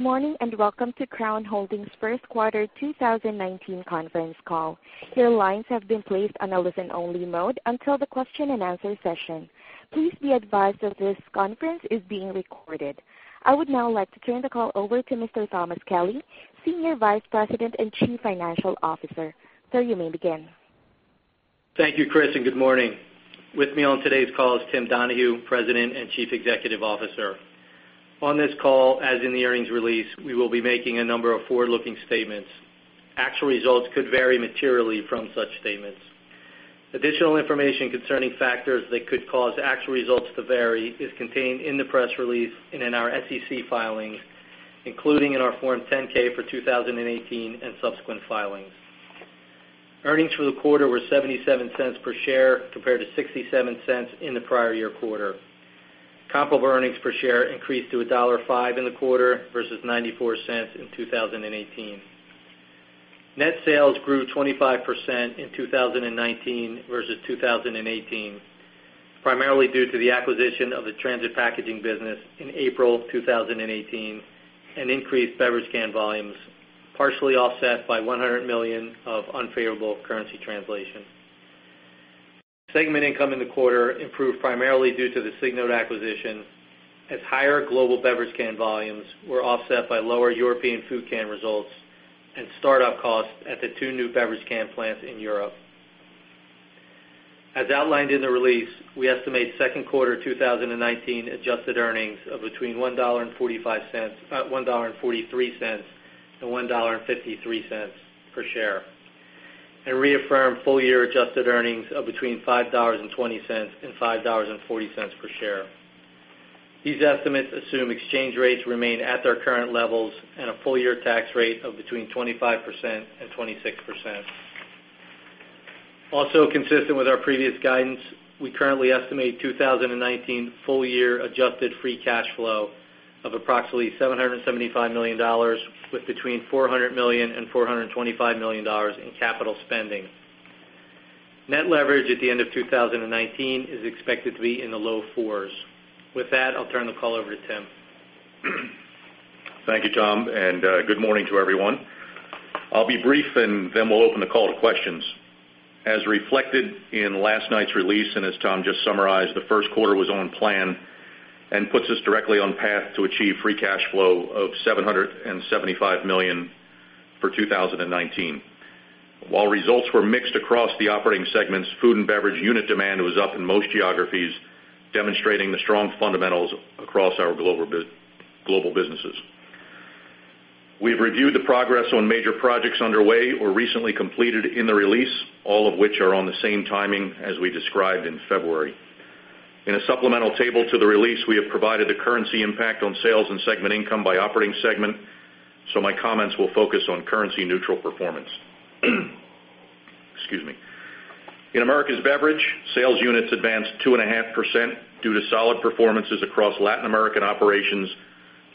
Morning. Welcome to Crown Holdings' first quarter 2019 conference call. Your lines have been placed on a listen-only mode until the question and answer session. Please be advised that this conference is being recorded. I would now like to turn the call over to Mr. Thomas Kelly, Senior Vice President and Chief Financial Officer. Sir, you may begin. Thank you, Chris. Good morning. With me on today's call is Tim Donahue, President and Chief Executive Officer. On this call, as in the earnings release, we will be making a number of forward-looking statements. Actual results could vary materially from such statements. Additional information concerning factors that could cause actual results to vary is contained in the press release and in our SEC filings, including in our Form 10-K for 2018 and subsequent filings. Earnings for the quarter were $0.77 per share compared to $0.67 in the prior year quarter. Comparable earnings per share increased to $1.05 in the quarter versus $0.94 in 2018. Net sales grew 25% in 2019 versus 2018, primarily due to the acquisition of the Transit Packaging business in April 2018 and increased beverage can volumes, partially offset by $100 million of unfavorable currency translation. Segment income in the quarter improved primarily due to the Signode acquisition, as higher global beverage can volumes were offset by lower European food can results and start-up costs at the two new beverage can plants in Europe. As outlined in the release, we estimate second quarter 2019 adjusted earnings of between $1.43 and $1.53 per share, and reaffirm full-year adjusted earnings of between $5.20 and $5.40 per share. These estimates assume exchange rates remain at their current levels and a full-year tax rate of between 25% and 26%. Also consistent with our previous guidance, we currently estimate 2019 full-year adjusted free cash flow of approximately $775 million with between $400 million and $425 million in capital spending. Net leverage at the end of 2019 is expected to be in the low 4s. I'll turn the call over to Tim. Thank you, Tom. Good morning to everyone. I'll be brief and then we'll open the call to questions. As reflected in last night's release, and as Tom just summarized, the first quarter was on plan and puts us directly on path to achieve free cash flow of $775 million for 2019. While results were mixed across the operating segments, food and beverage unit demand was up in most geographies, demonstrating the strong fundamentals across our global businesses. We've reviewed the progress on major projects underway or recently completed in the release, all of which are on the same timing as we described in February. In a supplemental table to the release, we have provided the currency impact on sales and segment income by operating segment, so my comments will focus on currency-neutral performance. Excuse me. In Americas Beverage, sales units advanced 2.5% due to solid performances across Latin American operations,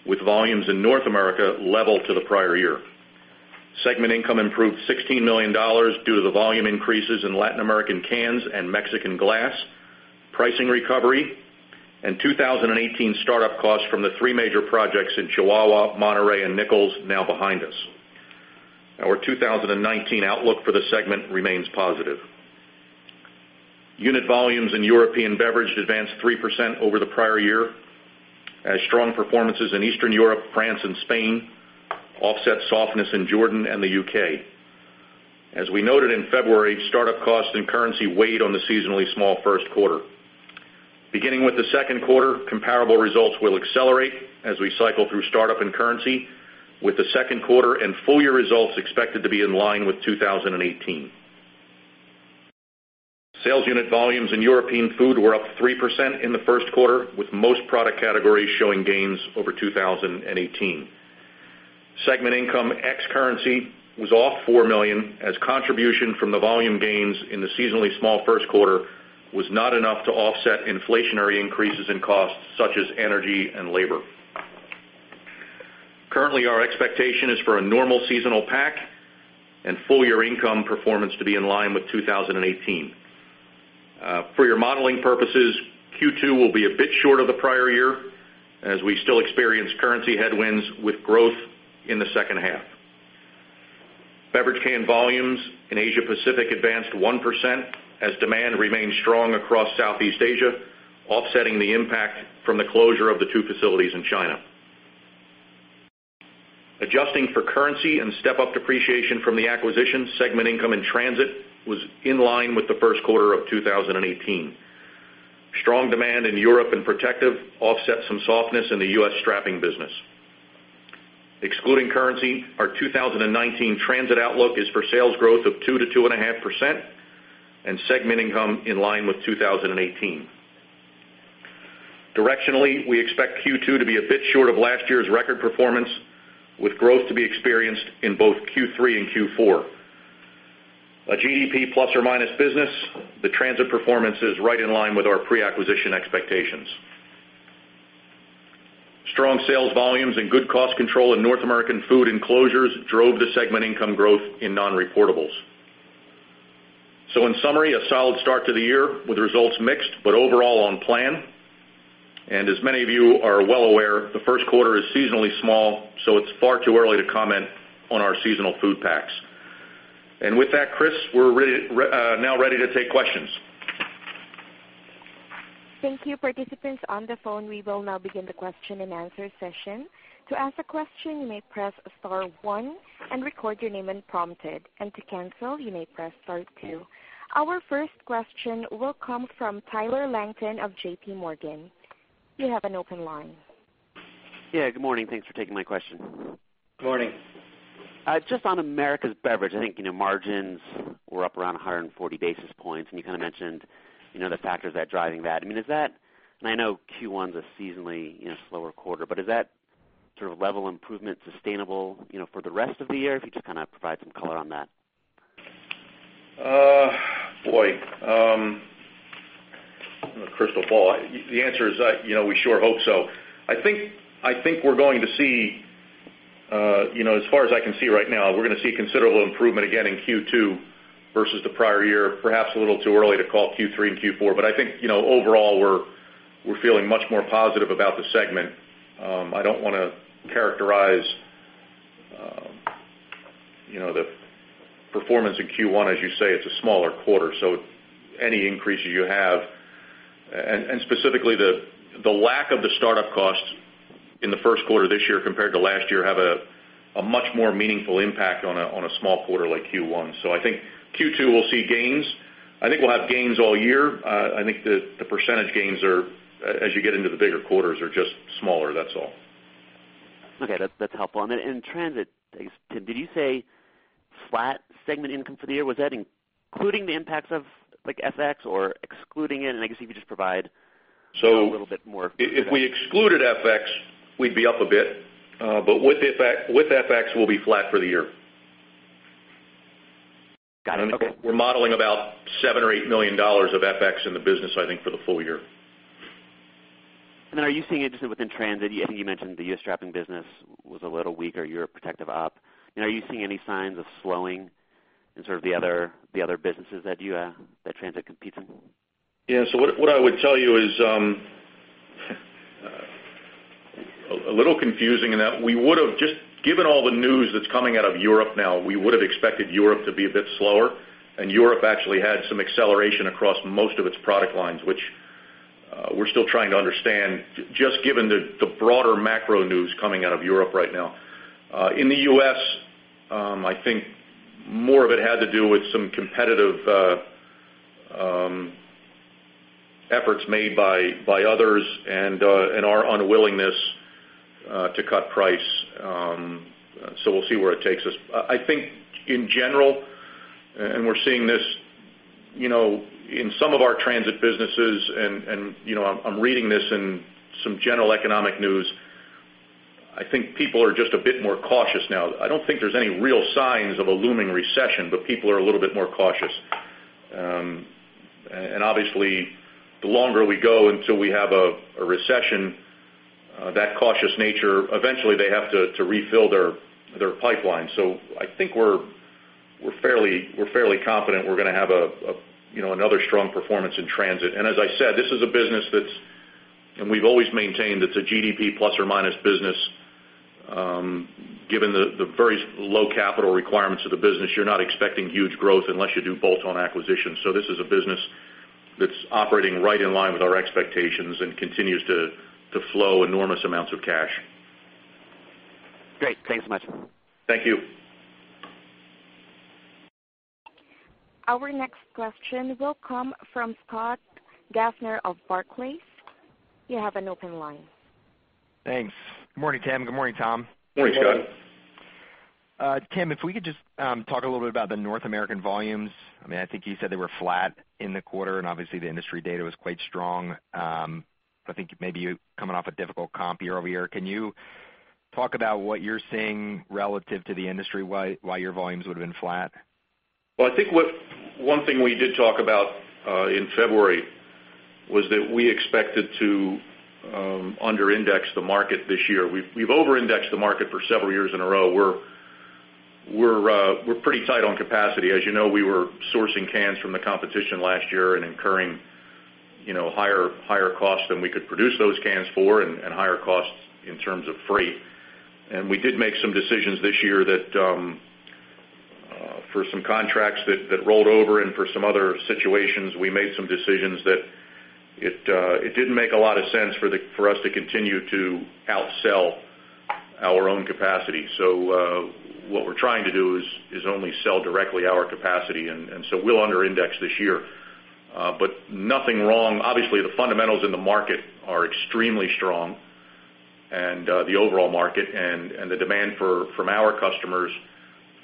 with volumes in North America level to the prior year. Segment income improved $16 million due to the volume increases in Latin American cans and Mexican glass, pricing recovery, and 2018 start-up costs from the three major projects in Chihuahua, Monterrey, and Nichols now behind us. Our 2019 outlook for the segment remains positive. Unit volumes in European Beverage advanced 3% over the prior year as strong performances in Eastern Europe, France, and Spain offset softness in Jordan and the U.K. As we noted in February, start-up costs and currency weighed on the seasonally small first quarter. Beginning with the second quarter, comparable results will accelerate as we cycle through start-up and currency with the second quarter and full-year results expected to be in line with 2018. Sales unit volumes in European Food were up 3% in the first quarter, with most product categories showing gains over 2018. Segment income ex currency was off $4 million as contribution from the volume gains in the seasonally small first quarter was not enough to offset inflationary increases in costs such as energy and labor. Currently, our expectation is for a normal seasonal pack and full-year income performance to be in line with 2018. For your modeling purposes, Q2 will be a bit short of the prior year as we still experience currency headwinds with growth in the second half. Beverage can volumes in Asia Pacific advanced 1% as demand remained strong across Southeast Asia, offsetting the impact from the closure of the two facilities in China. Adjusting for currency and step-up depreciation from the acquisition, segment income and Transit was in line with the first quarter of 2018. Strong demand in Europe and protective offset some softness in the U.S. strapping business. Excluding currency, our 2019 Transit outlook is for sales growth of 2%-2.5% and segment income in line with 2018. Directionally, we expect Q2 to be a bit short of last year's record performance, with growth to be experienced in both Q3 and Q4. A GDP plus or minus business, the Transit performance is right in line with our pre-acquisition expectations. Strong sales volumes and good cost control in North American food and closures drove the segment income growth in non-reportables. In summary, a solid start to the year with results mixed, but overall on plan. As many of you are well aware, the first quarter is seasonally small, so it's far too early to comment on our seasonal food packs. With that, Chris, we're now ready to take questions. Thank you, participants on the phone. We will now begin the question and answer session. To ask a question, you may press star one and record your name when prompted, and to cancel, you may press star two. Our first question will come from Tyler Langton of JPMorgan. You have an open line. Yeah, good morning. Thanks for taking my question. Good morning. Just on Americas Beverage, I think margins were up around 140 basis points, you kind of mentioned the factors that are driving that. I know Q1's a seasonally slower quarter, is that sort of level improvement sustainable for the rest of the year? If you just provide some color on that? Boy. I don't have a crystal ball. The answer is, we sure hope so. I think, as far as I can see right now, we're going to see considerable improvement again in Q2 versus the prior year. Perhaps a little too early to call Q3 and Q4, I think, overall, we're feeling much more positive about the segment. I don't want to characterize the performance in Q1. As you say, it's a smaller quarter, any increase that you have, specifically the lack of the startup costs in the first quarter this year compared to last year, have a much more meaningful impact on a small quarter like Q1. I think Q2 will see gains. I think we'll have gains all year. I think the percentage gains, as you get into the bigger quarters, are just smaller, that's all. Okay. That's helpful. In Transit, I guess, Tim, did you say flat segment income for the year? Was that including the impacts of FX or excluding it? I guess if you could just provide a little bit more color there. If we excluded FX, we'd be up a bit. With FX, we'll be flat for the year. Got it. Okay. We're modeling about $7 million or $8 million of FX in the business, I think, for the full year. Are you seeing, just within Transit, I think you mentioned the U.S. strapping business was a little weaker. Europe protective op. Are you seeing any signs of slowing in sort of the other businesses that Transit competes in? Yeah. What I would tell you is, a little confusing in that, given all the news that's coming out of Europe now, we would've expected Europe to be a bit slower, and Europe actually had some acceleration across most of its product lines, which we're still trying to understand, just given the broader macro news coming out of Europe right now. In the U.S., I think more of it had to do with some competitive efforts made by others and our unwillingness to cut price. We'll see where it takes us. I think, in general, and we're seeing this in some of our Transit businesses, and I'm reading this in some general economic news, I think people are just a bit more cautious now. I don't think there's any real signs of a looming recession, people are a little bit more cautious. Obviously, the longer we go until we have a recession, that cautious nature, eventually they have to refill their pipeline. I think we're fairly confident we're going to have another strong performance in Transit. As I said, this is a business that's, and we've always maintained it's a GDP plus or minus business. Given the very low capital requirements of the business, you're not expecting huge growth unless you do bolt-on acquisitions. This is a business that's operating right in line with our expectations and continues to flow enormous amounts of cash. Great. Thanks so much. Thank you. Our next question will come from Scott Gaffner of Barclays. You have an open line. Thanks. Good morning, Tim. Good morning, Tom. Morning, Scott. Tim, if we could just talk a little bit about the North American volumes. I think you said they were flat in the quarter, and obviously the industry data was quite strong. I think maybe you're coming off a difficult comp year-over-year. Can you talk about what you're seeing relative to the industry, why your volumes would've been flat? I think one thing we did talk about in February was that we expected to under-index the market this year. We've over-indexed the market for several years in a row. We're pretty tight on capacity. As you know, we were sourcing cans from the competition last year and incurring higher costs than we could produce those cans for, and higher costs in terms of freight. We did make some decisions this year that, for some contracts that rolled over and for some other situations, we made some decisions that it didn't make a lot of sense for us to continue to outsell our own capacity. What we're trying to do is only sell directly our capacity. We'll under-index this year. Nothing wrong. Obviously, the fundamentals in the market are extremely strong, the overall market, and the demand from our customers,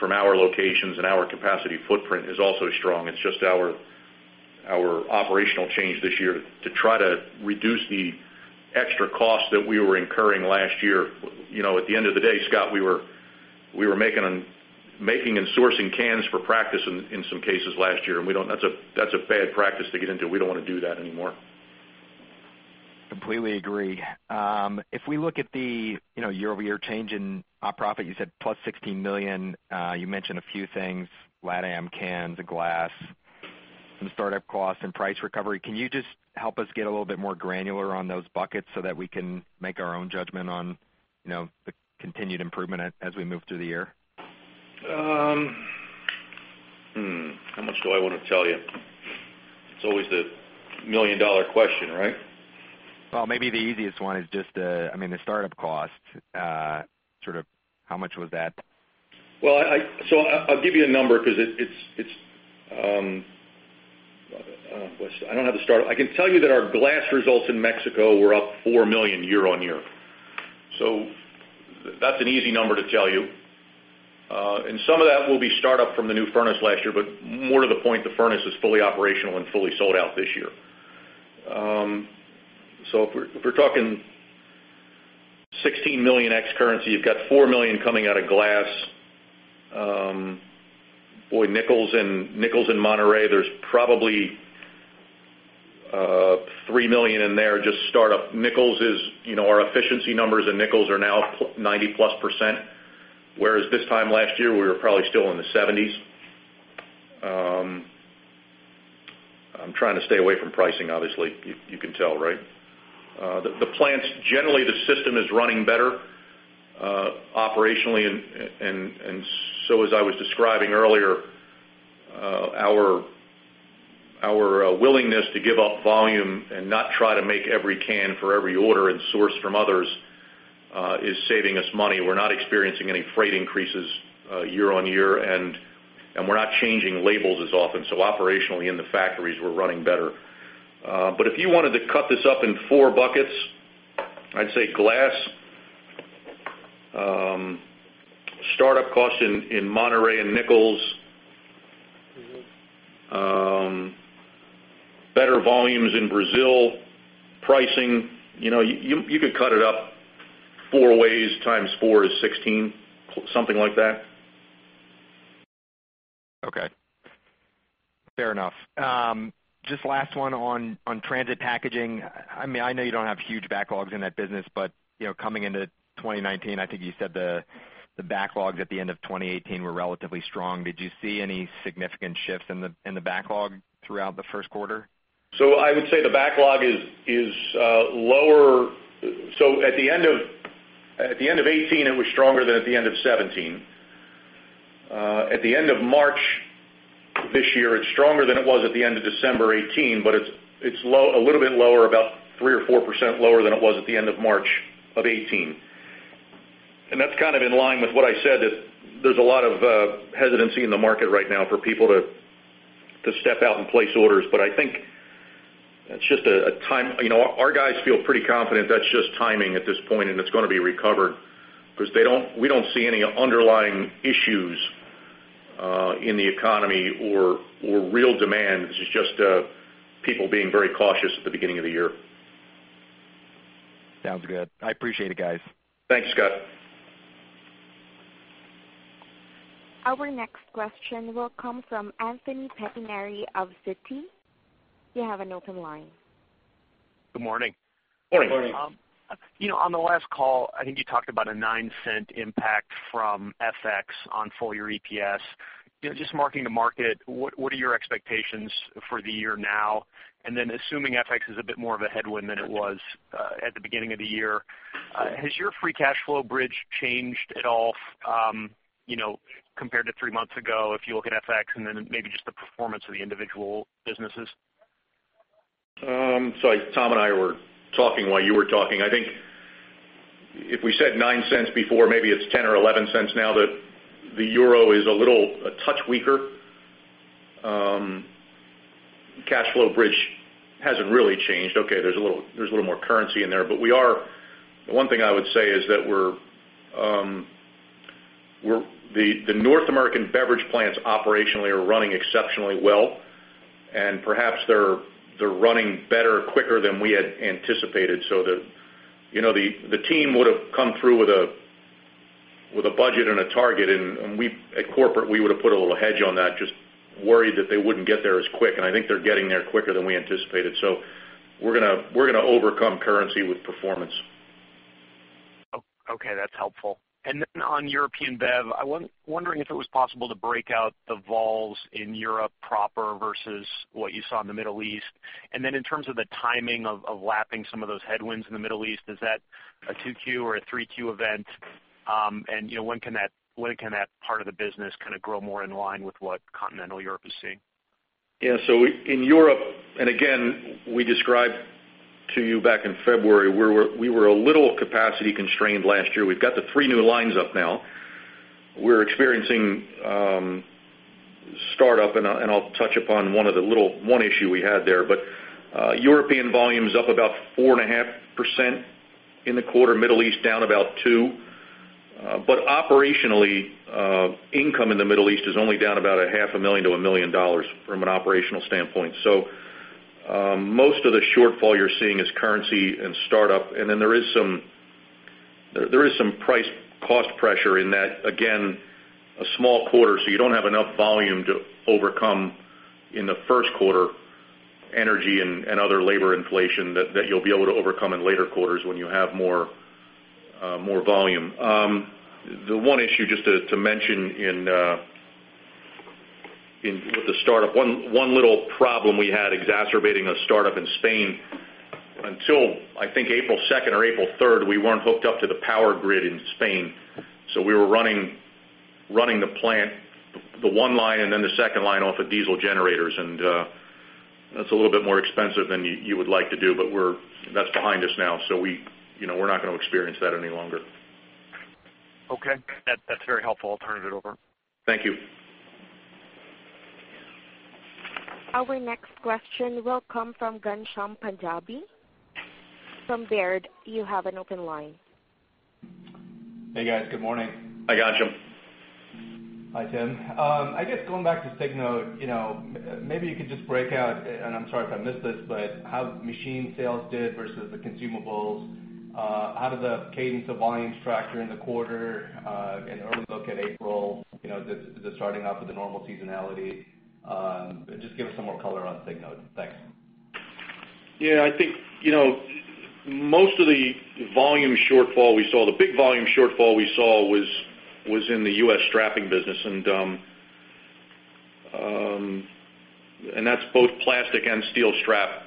from our locations and our capacity footprint is also strong. It's just our operational change this year to try to reduce the extra cost that we were incurring last year. At the end of the day, Scott, we were making and sourcing cans for practice in some cases last year, and that's a bad practice to get into. We don't want to do that anymore. I completely agree. If we look at the year-over-year change in op profit, you said plus $16 million. You mentioned a few things, Lat Am cans, the glass, some startup costs and price recovery. Can you just help us get a little bit more granular on those buckets so that we can make our own judgment on the continued improvement as we move through the year? How much do I want to tell you? It's always the million-dollar question, right? Well, maybe the easiest one is just the startup cost. How much was that? I'll give you a number because I don't have the startup. I can tell you that our glass results in Mexico were up $4 million year-on-year. That's an easy number to tell you. Some of that will be startup from the new furnace last year, but more to the point, the furnace is fully operational and fully sold out this year. If we're talking $16 million ex currency, you've got $4 million coming out of glass. Boy, Nichols and Monterrey, there's probably $3 million in there just startup. Our efficiency numbers in Nichols are now 90-plus %, whereas this time last year, we were probably still in the 70s. I'm trying to stay away from pricing, obviously. You can tell, right? The plants, generally, the system is running better operationally, as I was describing earlier, our willingness to give up volume and not try to make every can for every order and source from others is saving us money. We're not experiencing any freight increases year-on-year, we're not changing labels as often. Operationally in the factories, we're running better. If you wanted to cut this up in four buckets, I'd say glass, startup costs in Monterrey and Nichols, better volumes in Brazil, pricing. You could cut it up four ways, times four is 16, something like that. Okay. Fair enough. Just last one on Transit Packaging. I know you don't have huge backlogs in that business, but coming into 2019, I think you said the backlogs at the end of 2018 were relatively strong. Did you see any significant shifts in the backlog throughout the first quarter? I would say the backlog is lower. At the end of 2018, it was stronger than at the end of 2017. At the end of March this year, it's stronger than it was at the end of December 2018, but it's a little bit lower, about 3% or 4% lower than it was at the end of March of 2018. That's in line with what I said, that there's a lot of hesitancy in the market right now for people to step out and place orders. I think our guys feel pretty confident that's just timing at this point and it's going to be recovered because we don't see any underlying issues in the economy or real demand. This is just people being very cautious at the beginning of the year. Sounds good. I appreciate it, guys. Thanks, Scott. Our next question will come from Anthony Pettinari of Citigroup. You have an open line. Good morning. Morning. Morning. On the last call, I think you talked about a $0.09 impact from FX on full-year EPS. Just marking the market, what are your expectations for the year now? Then assuming FX is a bit more of a headwind than it was at the beginning of the year, has your free cash flow bridge changed at all compared to three months ago, if you look at FX and then maybe just the performance of the individual businesses? Sorry, Tom and I were talking while you were talking. I think if we said $0.09 before, maybe it's $0.10 or $0.11 now that the euro is a touch weaker. Cash flow bridge hasn't really changed. Okay, there's a little more currency in there. The one thing I would say is that the North American beverage plants operationally are running exceptionally well, and perhaps they're running better quicker than we had anticipated. The team would've come through with a budget and a target, and at corporate, we would've put a little hedge on that, just worried that they wouldn't get there as quick, and I think they're getting there quicker than we anticipated. We're going to overcome currency with performance. Okay. That's helpful. On European Beverage, I was wondering if it was possible to break out the volumes in Europe proper versus what you saw in the Middle East. In terms of the timing of lapping some of those headwinds in the Middle East, is that a 2Q or a 3Q event? When can that part of the business kind of grow more in line with what continental Europe is seeing? Yeah. In Europe, we described to you back in February, we were a little capacity constrained last year. We've got the 3 new lines up now. We're experiencing startup, and I'll touch upon one issue we had there. European volume is up about 4.5% in the quarter, Middle East down about 2%. Operationally, income in the Middle East is only down about a half a million to a million dollars from an operational standpoint. Most of the shortfall you're seeing is currency and startup, and then there is some price cost pressure in that, again, a small quarter, so you don't have enough volume to overcome in the first quarter, energy and other labor inflation that you'll be able to overcome in later quarters when you have more volume. The one issue, just to mention with the startup, one little problem we had exacerbating a startup in Spain, until I think April 2nd or April 3rd, we weren't hooked up to the power grid in Spain. We were running the plant, the 1 line and then the 2nd line off of diesel generators, and that's a little bit more expensive than you would like to do, but that's behind us now. We're not going to experience that any longer. Okay. That's very helpful. I'll turn it over. Thank you. Our next question will come from Ghansham Panjabi from Baird. You have an open line. Hey, guys. Good morning. Hi, Ghansham. Hi, Tim. I guess going back to Signode, maybe you could just break out, and I'm sorry if I missed this, but how machine sales did versus the consumables. How did the cadence of volumes track during the quarter, an early look at April, is it starting off with the normal seasonality? Just give us some more color on Signode. Thanks. Yeah, I think most of the volume shortfall we saw, the big volume shortfall we saw was in the U.S. strapping business, and that's both plastic and steel strap.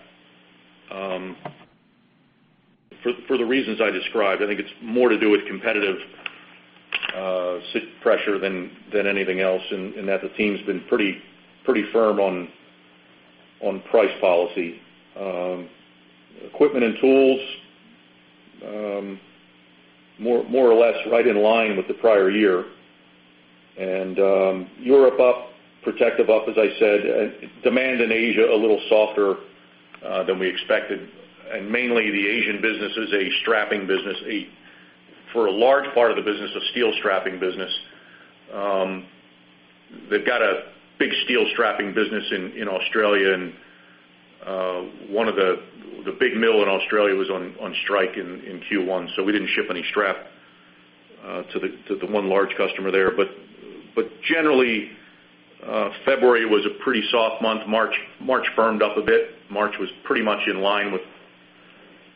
For the reasons I described, I think it's more to do with competitive pressure than anything else, and that the team's been pretty firm on price policy. Equipment and tools, more or less right in line with the prior year. Europe up, Protective up, as I said. Demand in Asia, a little softer than we expected. Mainly the Asian business is a strapping business. For a large part of the business, a steel strapping business. They've got a big steel strapping business in Australia, and one of the big mill in Australia was on strike in Q1, so we didn't ship any strap to the one large customer there. Generally, February was a pretty soft month. March firmed up a bit. March was pretty much in line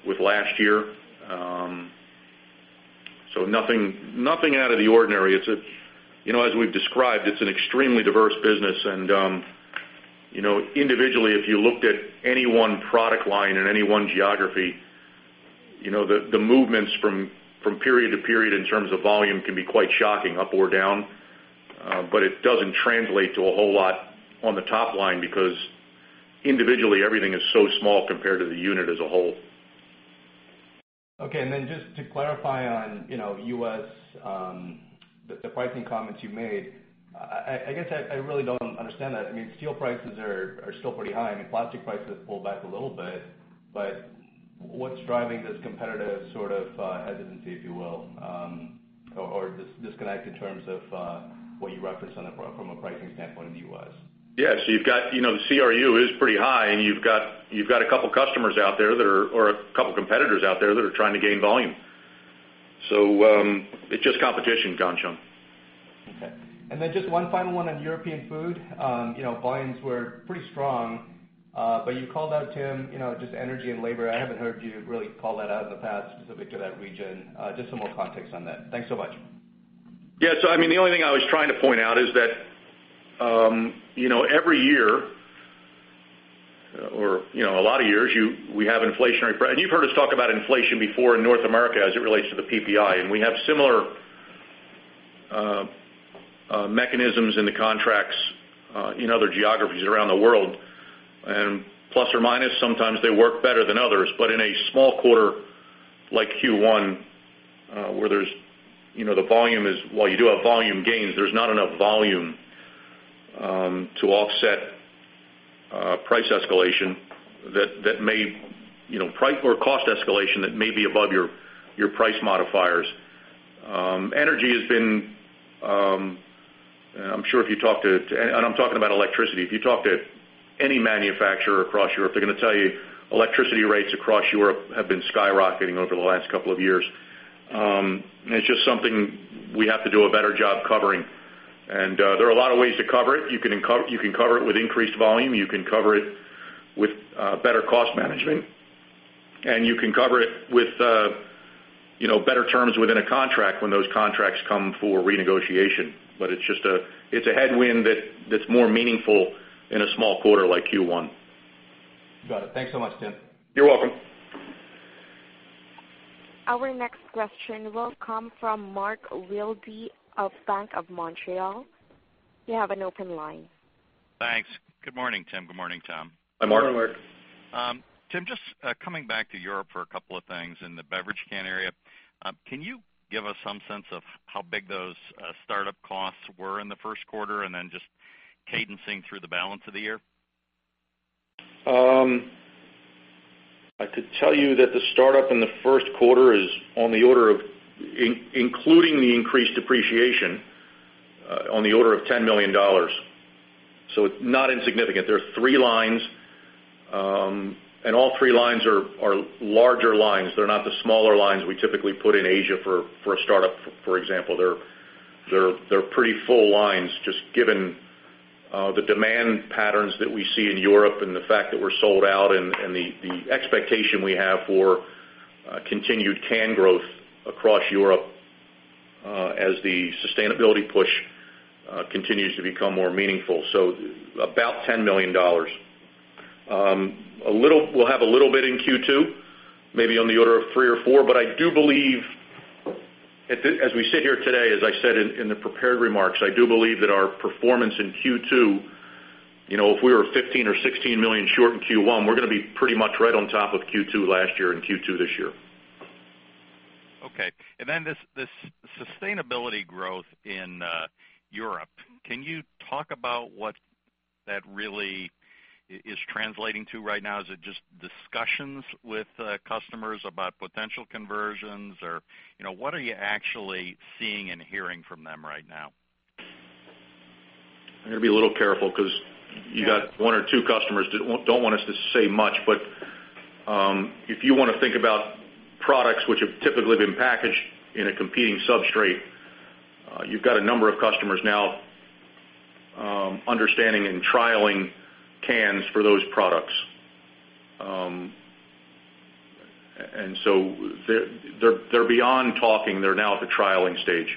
with last year. Nothing out of the ordinary. As we've described, it's an extremely diverse business, and individually, if you looked at any one product line in any one geography, the movements from period to period in terms of volume can be quite shocking up or down. It doesn't translate to a whole lot on the top line because individually, everything is so small compared to the unit as a whole. Okay, just to clarify on U.S., the pricing comments you made. I guess I really don't understand that. Steel prices are still pretty high. Plastic prices pulled back a little bit, but what's driving this competitive sort of hesitancy, if you will, or disconnect in terms of what you referenced from a pricing standpoint in the U.S.? Yeah. You've got the CRU is pretty high, and you've got a couple competitors out there that are trying to gain volume. It's just competition, Ghansham. Okay. Just one final one on European Food. Volumes were pretty strong, but you called out, Tim, just energy and labor. I haven't heard you really call that out in the past specific to that region. Just some more context on that. Thanks so much. Yeah. The only thing I was trying to point out is that every year or a lot of years, we have. You've heard us talk about inflation before in North America as it relates to the PPI, and we have similar mechanisms in the contracts in other geographies around the world. Plus or minus, sometimes they work better than others. In a small quarter like Q1, where while you do have volume gains, there's not enough volume to offset price escalation, or cost escalation that may be above your price modifiers. I'm talking about electricity. If you talk to any manufacturer across Europe, they're going to tell you electricity rates across Europe have been skyrocketing over the last couple of years. It's just something we have to do a better job covering. There are a lot of ways to cover it. You can cover it with increased volume, you can cover it with better cost management, and you can cover it with better terms within a contract when those contracts come for renegotiation. It's a headwind that's more meaningful in a small quarter like Q1. Got it. Thanks so much, Tim. You're welcome. Our next question will come from Mark Wilde of Bank of Montreal. You have an open line. Thanks. Good morning, Tim. Good morning, Tom. Good morning, Mark. Tim, just coming back to Europe for a couple of things in the beverage can area. Can you give us some sense of how big those startup costs were in the first quarter and then just cadencing through the balance of the year? I could tell you that the startup in the first quarter is, including the increased depreciation, on the order of $10 million. It's not insignificant. There are three lines, and all three lines are larger lines. They're not the smaller lines we typically put in Asia for a startup, for example. They're pretty full lines, just given the demand patterns that we see in Europe and the fact that we're sold out and the expectation we have for continued can growth across Europe as the sustainability push continues to become more meaningful. About $10 million. We'll have a little bit in Q2, maybe on the order of three or four. I do believe, as we sit here today, as I said in the prepared remarks, I do believe that our performance in Q2, if we were $15 million or $16 million short in Q1, we're going to be pretty much right on top of Q2 last year and Q2 this year. Okay. This sustainability growth in Europe, can you talk about what that really is translating to right now? Is it just discussions with customers about potential conversions? Or what are you actually seeing and hearing from them right now? I'm going to be a little careful because you got one or two customers don't want us to say much, but if you want to think about products which have typically been packaged in a competing substrate, you've got a number of customers now understanding and trialing cans for those products. They're beyond talking. They're now at the trialing stage.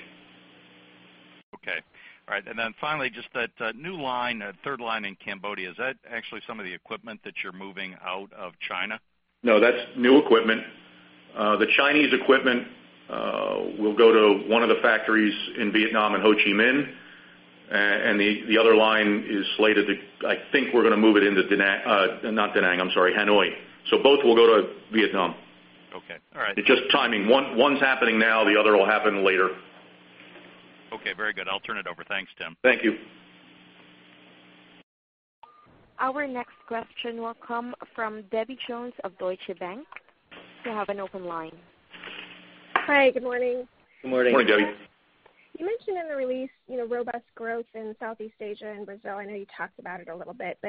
Okay. All right. Finally, just that new line, third line in Cambodia. Is that actually some of the equipment that you're moving out of China? No, that's new equipment. The Chinese equipment will go to one of the factories in Vietnam, in Ho Chi Minh. The other line is slated to, I think we're going to move it into Da Nang. Not Da Nang, I'm sorry, Hanoi. Both will go to Vietnam. Okay. All right. It's just timing. One's happening now, the other will happen later. Okay. Very good. I'll turn it over. Thanks, Tim. Thank you. Our next question will come from Debbie Jones of Deutsche Bank. You have an open line. Hi, good morning. Good morning. Good morning, Debbie. You mentioned in the release, robust growth in Southeast Asia and Brazil. I know you talked about it a little bit,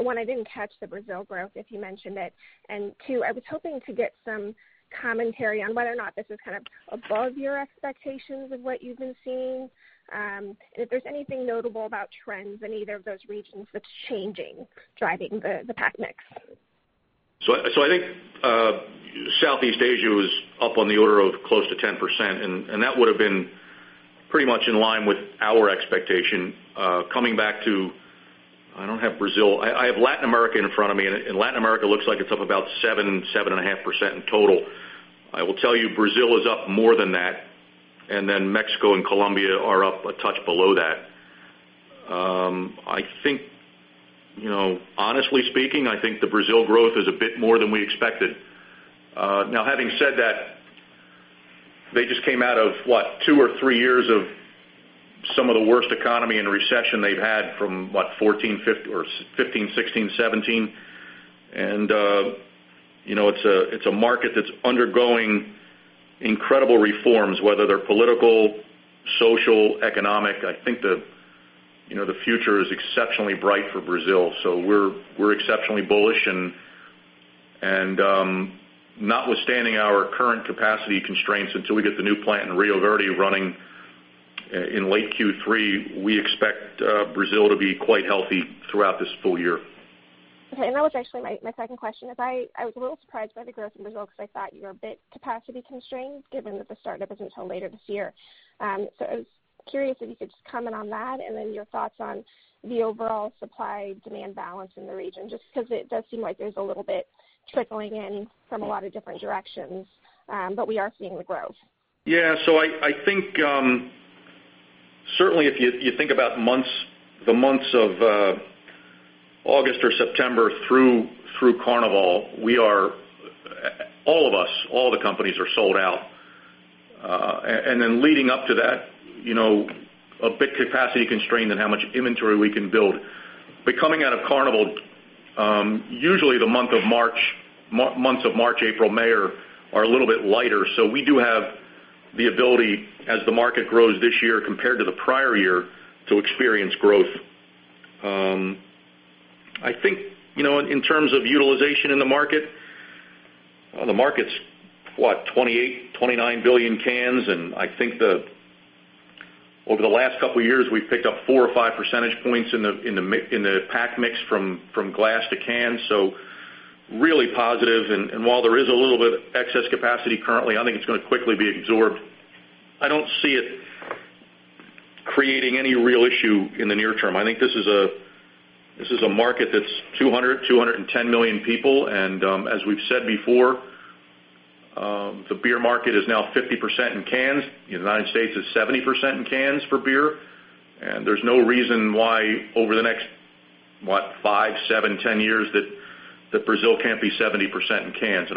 one, I didn't catch the Brazil growth, if you mentioned it, and two, I was hoping to get some commentary on whether or not this is kind of above your expectations of what you've been seeing, and if there's anything notable about trends in either of those regions that's changing, driving the pack mix. I think, Southeast Asia was up on the order of close to 10%, and that would've been pretty much in line with our expectation. Coming back to, I don't have Brazil. I have Latin America in front of me, and Latin America looks like it's up about 7%-7.5% in total. I will tell you, Brazil is up more than that, and then Mexico and Colombia are up a touch below that. Honestly speaking, I think the Brazil growth is a bit more than we expected. Having said that, they just came out of what, two or three years of some of the worst economy and recession they've had from what, 2014, 2015, 2016, 2017. It's a market that's undergoing incredible reforms, whether they're political, social, economic. I think the future is exceptionally bright for Brazil. We're exceptionally bullish and notwithstanding our current capacity constraints until we get the new plant in Rio Verde running in late Q3, we expect Brazil to be quite healthy throughout this full year. That was actually my second question is I was a little surprised by the growth in Brazil because I thought you were a bit capacity constrained given that the startup isn't until later this year. I was curious if you could just comment on that and then your thoughts on the overall supply-demand balance in the region, just because it does seem like there's a little bit trickling in from a lot of different directions. We are seeing the growth. I think, certainly if you think about the months of August or September through Carnival, all of us, all the companies are sold out. Leading up to that, a bit capacity constrained in how much inventory we can build. Coming out of Carnival, usually the months of March, April, May are a little bit lighter. We do have the ability as the market grows this year compared to the prior year to experience growth. I think, in terms of utilization in the market, the market's what? 28, 29 billion cans, and I think over the last couple of years, we've picked up four or five percentage points in the pack mix from glass to can, so really positive. While there is a little bit excess capacity currently, I think it's going to quickly be absorbed. I don't see it creating any real issue in the near term. I think this is a market that's 200, 210 million people. As we've said before, the beer market is now 50% in cans. U.S. is 70% in cans for beer. There's no reason why over the next, what, five, seven, 10 years that Brazil can't be 70% in cans.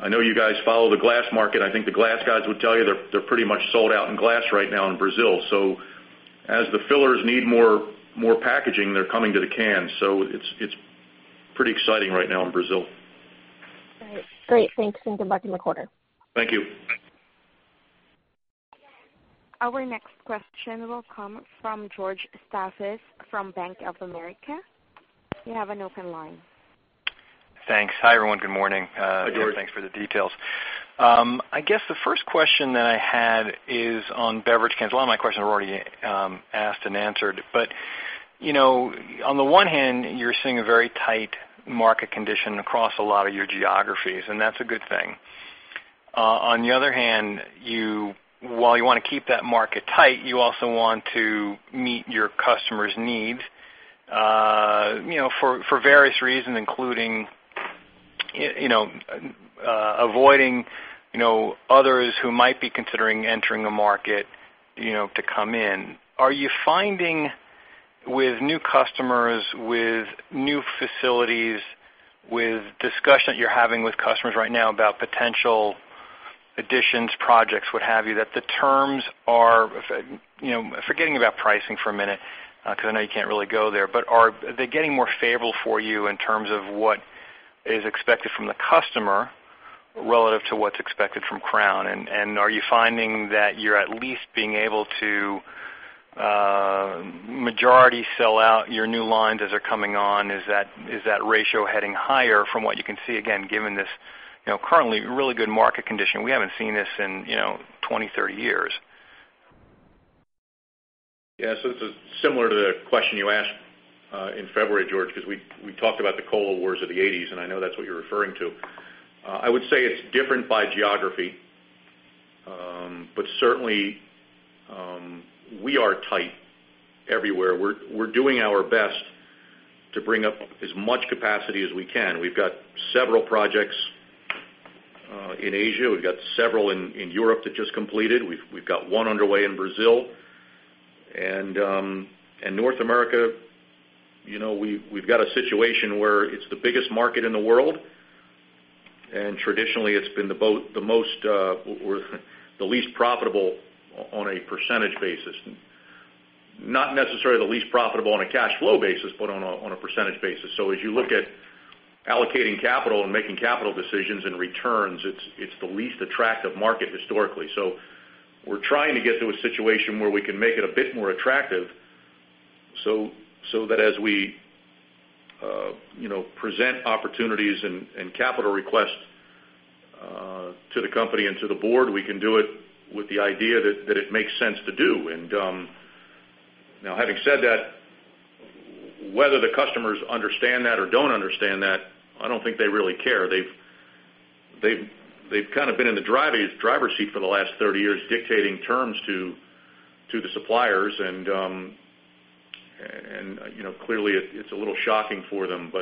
I know you guys follow the glass market, I think the glass guys would tell you they're pretty much sold out in glass right now in Brazil. As the fillers need more packaging, they're coming to the can. It's pretty exciting right now in Brazil. All right. Great. Thanks and good luck in the quarter. Thank you. Our next question will come from George Staphos from Bank of America. You have an open line. Thanks. Hi, everyone. Good morning. Hi, George. Thanks for the details. I guess the first question that I had is on beverage cans. A lot of my questions were already asked and answered, but on the one hand, you're seeing a very tight market condition across a lot of your geographies, and that's a good thing. On the other hand, while you want to keep that market tight, you also want to meet your customers' needs for various reasons, including avoiding others who might be considering entering the market to come in. Are you finding with new customers, with new facilities, with discussions you're having with customers right now about potential additions, projects, what have you, that the terms are, forgetting about pricing for a minute, because I know you can't really go there, but are they getting more favorable for you in terms of what is expected from the customer relative to what's expected from Crown? Are you finding that you're at least being able to majority sell out your new lines as they're coming on? Is that ratio heading higher from what you can see, again, given this currently really good market condition? We haven't seen this in 20, 30 years. This is similar to the question you asked in February, George, because we talked about the coal wars of the '80s, and I know that's what you're referring to. I would say it's different by geography. Certainly, we are tight everywhere. We're doing our best to bring up as much capacity as we can. We've got several projects in Asia. We've got several in Europe that just completed. We've got one underway in Brazil. North America, we've got a situation where it's the biggest market in the world, and traditionally it's been the least profitable on a percentage basis. Not necessarily the least profitable on a cash flow basis, but on a percentage basis. As you look at allocating capital and making capital decisions and returns, it's the least attractive market historically. We're trying to get to a situation where we can make it a bit more attractive so that as we present opportunities and capital requests to the company and to the board, we can do it with the idea that it makes sense to do. Now, having said that, whether the customers understand that or don't understand that, I don't think they really care. They've kind of been in the driver's seat for the last 30 years, dictating terms to the suppliers, and clearly, it's a little shocking for them.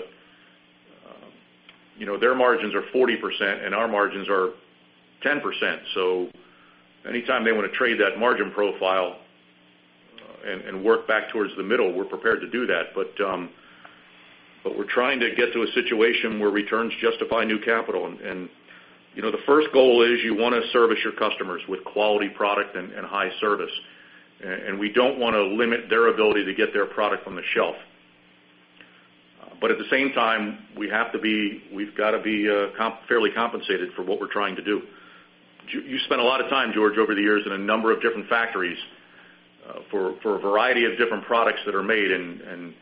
Their margins are 40%, and our margins are 10%. Anytime they want to trade that margin profile and work back towards the middle, we're prepared to do that. We're trying to get to a situation where returns justify new capital. The first goal is you want to service your customers with quality product and high service. We don't want to limit their ability to get their product on the shelf. At the same time, we've got to be fairly compensated for what we're trying to do. You spent a lot of time, George, over the years in a number of different factories for a variety of different products that are made, and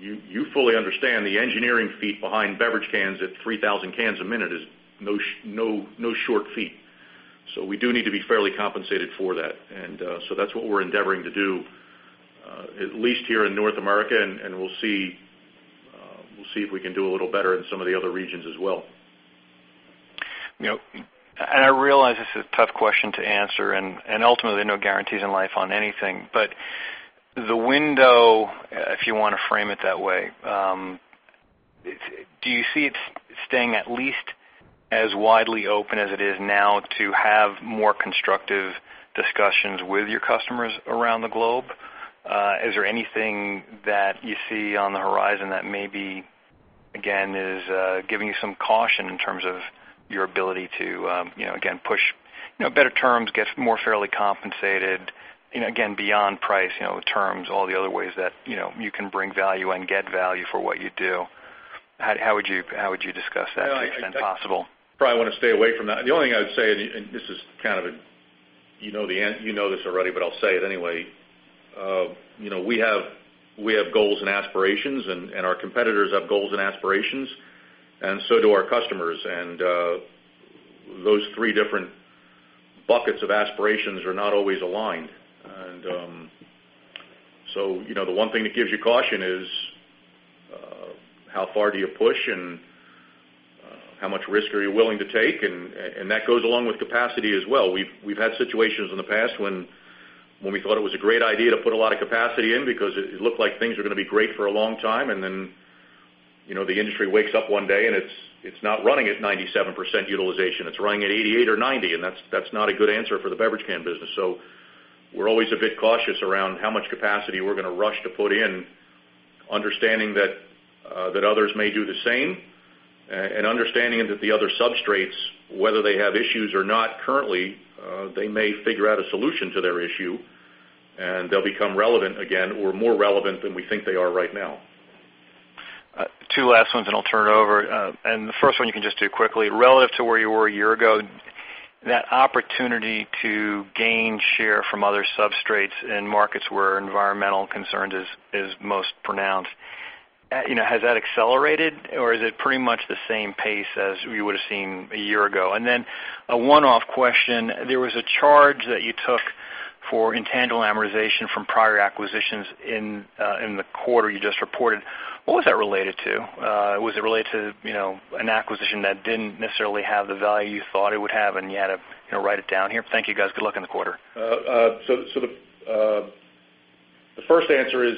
you fully understand the engineering feat behind beverage cans at 3,000 cans a minute is no short feat. We do need to be fairly compensated for that. That's what we're endeavoring to do, at least here in North America, and we'll see if we can do a little better in some of the other regions as well. I realize this is a tough question to answer, ultimately, no guarantees in life on anything. The window, if you want to frame it that way, do you see it staying at least as widely open as it is now to have more constructive discussions with your customers around the globe? Is there anything that you see on the horizon that maybe, again, is giving you some caution in terms of your ability to, again, push better terms, get more fairly compensated, again, beyond price, terms, all the other ways that you can bring value and get value for what you do. How would you discuss that to the extent possible? I probably want to stay away from that. The only thing I would say, you know this already, but I'll say it anyway. We have goals and aspirations, our competitors have goals and aspirations, and so do our customers. Those three different buckets of aspirations are not always aligned. The one thing that gives you caution is how far do you push, and how much risk are you willing to take? That goes along with capacity as well. We've had situations in the past when we thought it was a great idea to put a lot of capacity in because it looked like things were going to be great for a long time, then the industry wakes up one day, and it's not running at 97% utilization. It's running at 88 or 90, that's not a good answer for the beverage can business. We're always a bit cautious around how much capacity we're going to rush to put in, understanding that others may do the same, understanding that the other substrates, whether they have issues or not currently, they may figure out a solution to their issue, and they'll become relevant again or more relevant than we think they are right now. Two last ones, I'll turn it over. The first one you can just do quickly. Relative to where you were a year ago, that opportunity to gain share from other substrates in markets where environmental concern is most pronounced, has that accelerated or is it pretty much the same pace as we would've seen a year ago? Then a one-off question. There was a charge that you took for intangible amortization from prior acquisitions in the quarter you just reported. What was that related to? Was it related to an acquisition that didn't necessarily have the value you thought it would have, and you had to write it down here? Thank you, guys. Good luck in the quarter. The first answer is,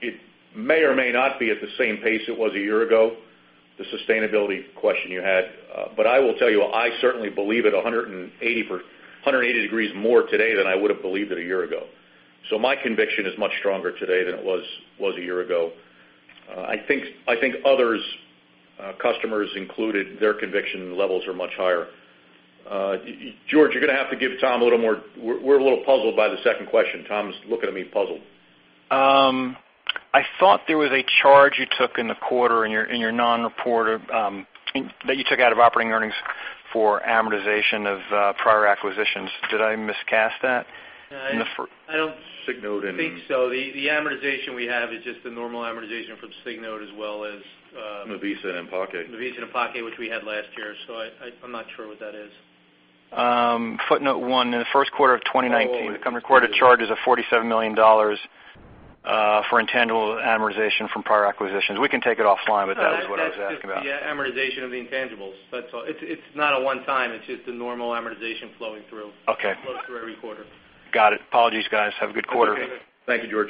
it may or may not be at the same pace it was a year ago, the sustainability question you had. I will tell you, I certainly believe it 180 degrees more today than I would've believed it a year ago. My conviction is much stronger today than it was a year ago. I think others, customers included, their conviction levels are much higher. George, you're going to have to give Tom a little more. We're a little puzzled by the second question. Tom's looking at me puzzled. I thought there was a charge you took in the quarter in your non-report or that you took out of operating earnings for amortization of prior acquisitions. Did I miscast that in the first I don't think so. The amortization we have is just the normal amortization from Signode as well as Mivisa and Paquet. Mivisa and Paquet, which we had last year. I'm not sure what that is. Footnote One. In the first quarter of 2019, the company recorded charges of $47 million for intangible amortization from prior acquisitions. We can take it offline, but that was what I was asking about. No, that's just the amortization of the intangibles. It's not a one time, it's just a normal amortization flowing through. Okay. Flow through every quarter. Got it. Apologies, guys. Have a good quarter. Okay. Thank you, George.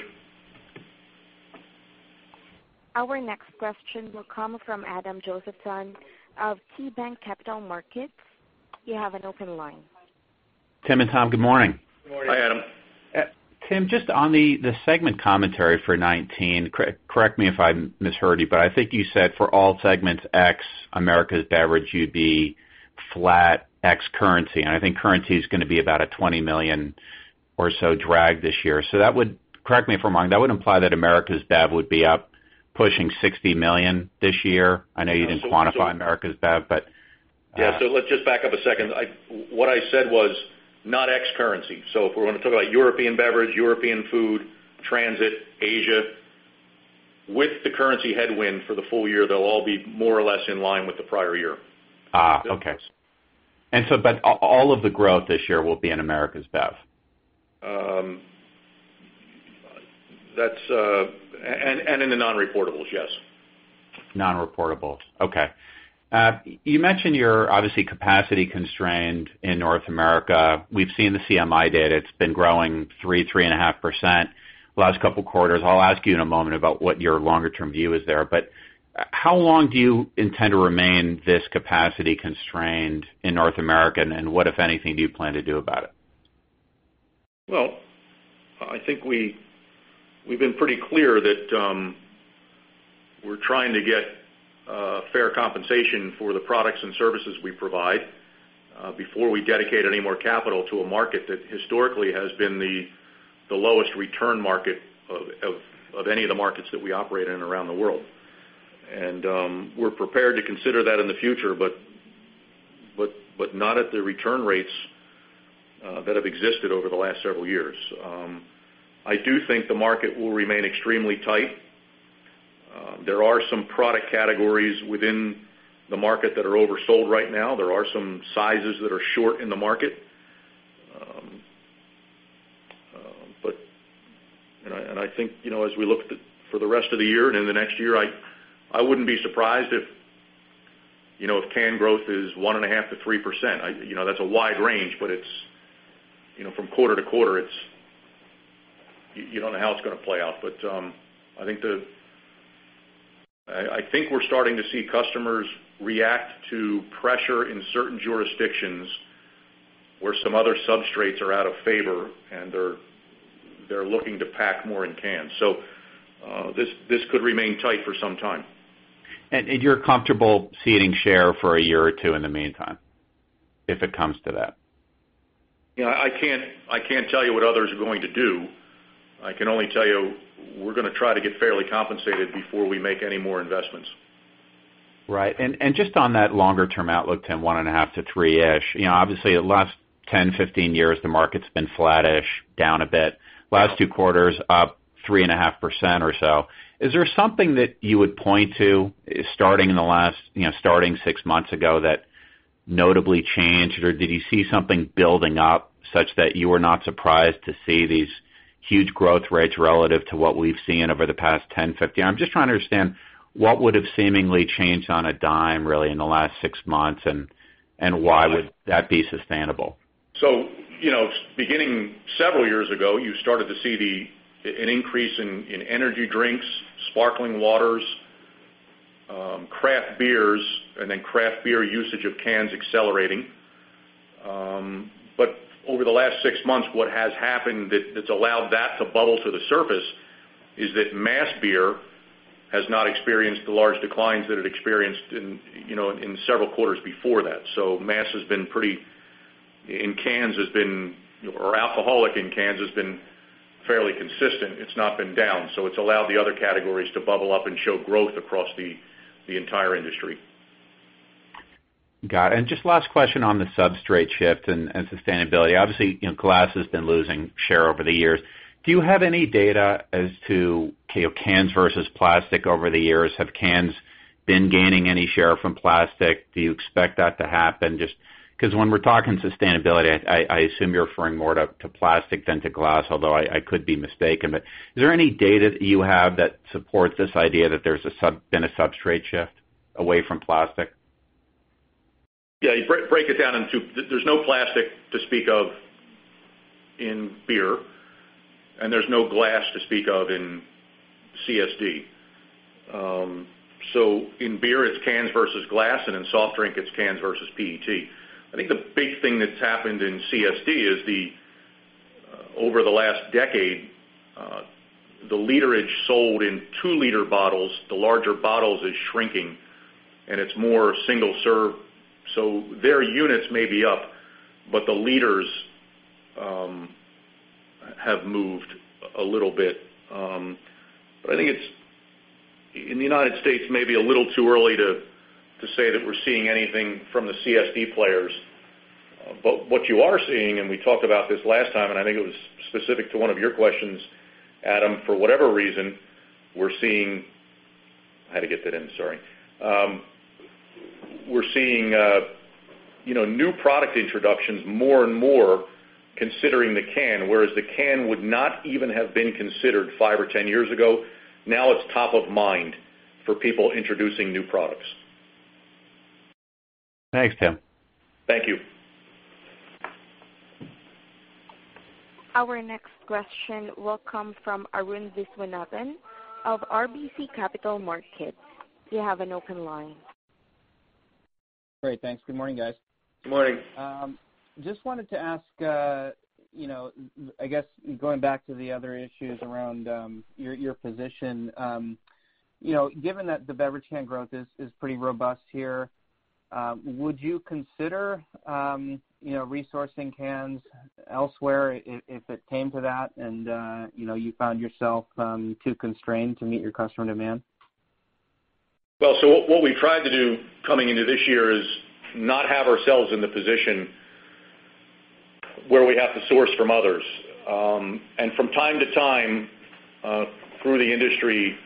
Our next question will come from Adam Josephson of KeyBanc Capital Markets. You have an open line. Tim and Tom, good morning. Good morning. Hi, Adam. Tim, just on the segment commentary for 2019, correct me if I misheard you, but I think you said for all segments, ex Americas Bev, you would be flat ex currency, and I think currency is going to be about a $20 million or so drag this year. Correct me if I'm wrong, that would imply that Americas Bev would be up pushing $60 million this year. I know you didn't quantify Americas Bev. Let's just back up a second. What I said was not ex currency. If we're going to talk about European Beverage, European Food, Transit, Asia, with the currency headwind for the full year, they'll all be more or less in line with the prior year. Okay. All of the growth this year will be in Americas Bev? In the non-reportables, yes. Non-reportables. Okay. You mentioned you're obviously capacity constrained in North America. We've seen the CMI data. It's been growing 3%, 3.5% the last couple of quarters. I'll ask you in a moment about what your longer term view is there, but how long do you intend to remain this capacity constrained in North America, and what, if anything, do you plan to do about it? Well, I think we've been pretty clear that we're trying to get fair compensation for the products and services we provide, before we dedicate any more capital to a market that historically has been the lowest return market of any of the markets that we operate in around the world. We're prepared to consider that in the future, but not at the return rates that have existed over the last several years. I do think the market will remain extremely tight. There are some product categories within the market that are oversold right now. There are some sizes that are short in the market. I think as we look for the rest of the year and in the next year, I wouldn't be surprised if can growth is 1.5% to 3%. That's a wide range, from quarter to quarter, you don't know how it's going to play out. I think we're starting to see customers react to pressure in certain jurisdictions where some other substrates are out of favor, and they're looking to pack more in cans. This could remain tight for some time. You're comfortable ceding share for a year or two in the meantime if it comes to that? I can't tell you what others are going to do. I can only tell you we're going to try to get fairly compensated before we make any more investments. Right. Just on that longer term outlook, Tim, 1.5% to three-ish. Obviously the last 10, 15 years, the market's been flattish, down a bit. Last two quarters, up 3.5% or so. Is there something that you would point to starting six months ago that notably changed? Did you see something building up such that you were not surprised to see these huge growth rates relative to what we've seen over the past 10, 15? I'm just trying to understand what would've seemingly changed on a dime, really, in the last six months, and why would that be sustainable? Beginning several years ago, you started to see an increase in energy drinks, sparkling waters, craft beers, then craft beer usage of cans accelerating. Over the last six months, what has happened that's allowed that to bubble to the surface is that mass beer has not experienced the large declines that it experienced in several quarters before that. Mass has been In cans has been, or alcoholic in cans has been fairly consistent. It's not been down. It's allowed the other categories to bubble up and show growth across the entire industry. Got it. Just last question on the substrate shift and sustainability. Obviously, glass has been losing share over the years. Do you have any data as to cans versus plastic over the years? Have cans been gaining any share from plastic? Do you expect that to happen? Just because when we're talking sustainability, I assume you're referring more to plastic than to glass, although I could be mistaken. Is there any data that you have that supports this idea that there's been a substrate shift away from plastic? You break it down into There's no plastic to speak of in beer, and there's no glass to speak of in CSD. In beer, it's cans versus glass, and in soft drink, it's cans versus PET. I think the big thing that's happened in CSD is over the last decade, the literage sold in 2-liter bottles, the larger bottles, is shrinking, and it's more single serve. Their units may be up, but the liters have moved a little bit. I think it's, in the U.S., maybe a little too early to say that we're seeing anything from the CSD players. What you are seeing, and we talked about this last time, and I think it was specific to one of your questions, Adam, for whatever reason, we're seeing I had to get that in, sorry. We're seeing new product introductions more and more considering the can, whereas the can would not even have been considered 5 or 10 years ago. Now it's top of mind for people introducing new products. Thanks, Tim. Thank you. Our next question will come from Arun Viswanathan of RBC Capital Markets. You have an open line. Great. Thanks. Good morning, guys. Good morning. Just wanted to ask, I guess going back to the other issues around your position. Given that the beverage can growth is pretty robust here, would you consider resourcing cans elsewhere if it came to that and you found yourself too constrained to meet your customer demand? Well, what we tried to do coming into this year is not have ourselves in the position where we have to source from others. From time to time, through the industry,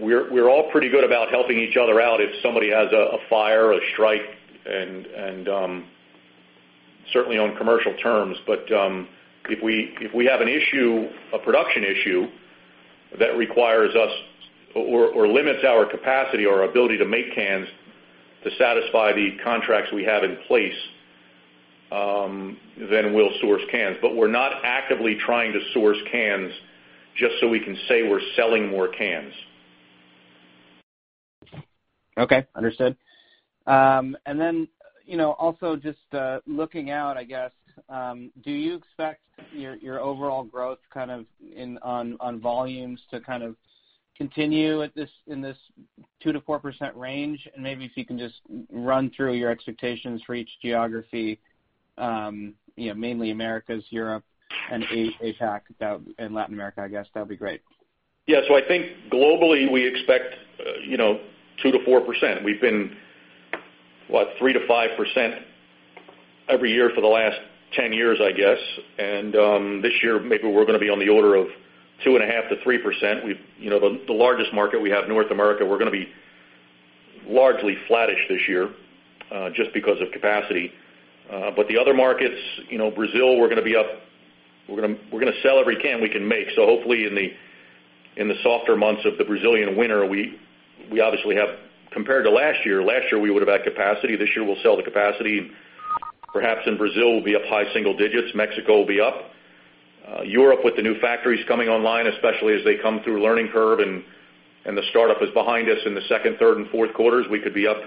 we're all pretty good about helping each other out if somebody has a fire or a strike, and certainly on commercial terms. If we have an issue, a production issue, that requires us or limits our capacity or ability to make cans to satisfy the contracts we have in place, then we'll source cans. We're not actively trying to source cans just so we can say we're selling more cans. Okay. Understood. Also just looking out, I guess, do you expect your overall growth kind of on volumes to kind of continue in this 2%-4% range? Maybe if you can just run through your expectations for each geography, mainly Americas, Europe, and APAC, and Latin America, I guess that'd be great. Yeah. I think globally, we expect 2%-4%. We've been, what, 3%-5% every year for the last 10 years, I guess. This year, maybe we're going to be on the order of 2.5%-3%. The largest market we have, North America, we're going to be largely flattish this year, just because of capacity. The other markets, Brazil, we're going to be up. We're going to sell every can we can make. Hopefully in the softer months of the Brazilian winter, we obviously have Compared to last year, last year, we would've had capacity. This year, we'll sell to capacity. Perhaps in Brazil, we'll be up high single digits. Mexico will be up. Europe with the new factories coming online, especially as they come through learning curve and the startup is behind us in the second, third, and fourth quarters, we could be up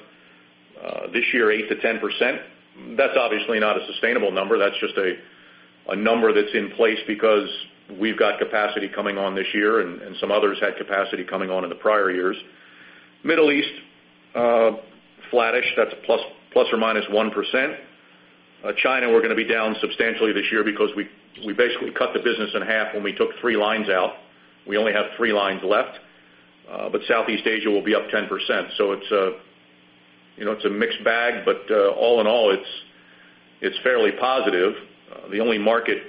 this year 8%-10%. That's obviously not a sustainable number. That's just a number that's in place because we've got capacity coming on this year, and some others had capacity coming on in the prior years. Middle East, flattish. That's a ±1%. China, we're going to be down substantially this year because we basically cut the business in half when we took three lines out. We only have three lines left. Southeast Asia will be up 10%. It's a mixed bag, but all in all, it's fairly positive. The only market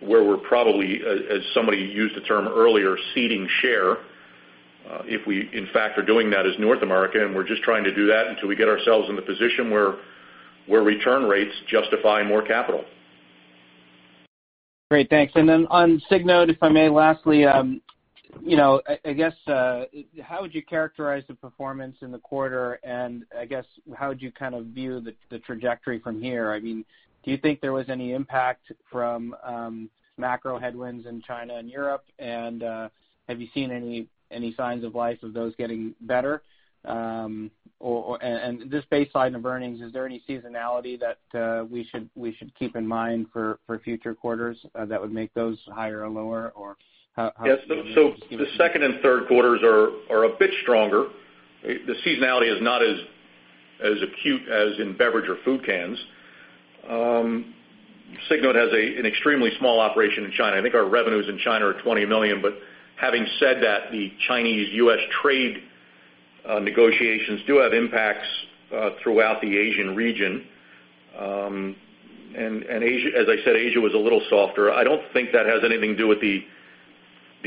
where we're probably, as somebody used the term earlier, ceding share, if we in fact are doing that is North America. We're just trying to do that until we get ourselves in the position where return rates justify more capital. Great. Thanks. On Signode, if I may, lastly, I guess how would you characterize the performance in the quarter, and I guess how would you kind of view the trajectory from here? Do you think there was any impact from macro headwinds in China and Europe? Have you seen any signs of life of those getting better? Just baseline of earnings, is there any seasonality that we should keep in mind for future quarters that would make those higher or lower, or how should we be looking at it? The second and third quarters are a bit stronger. The seasonality is not as acute as in beverage or food cans. Signode has an extremely small operation in China. I think our revenues in China are $20 million. Having said that, the Chinese-U.S. trade negotiations do have impacts throughout the Asian region. As I said, Asia was a little softer. I don't think that has anything to do with the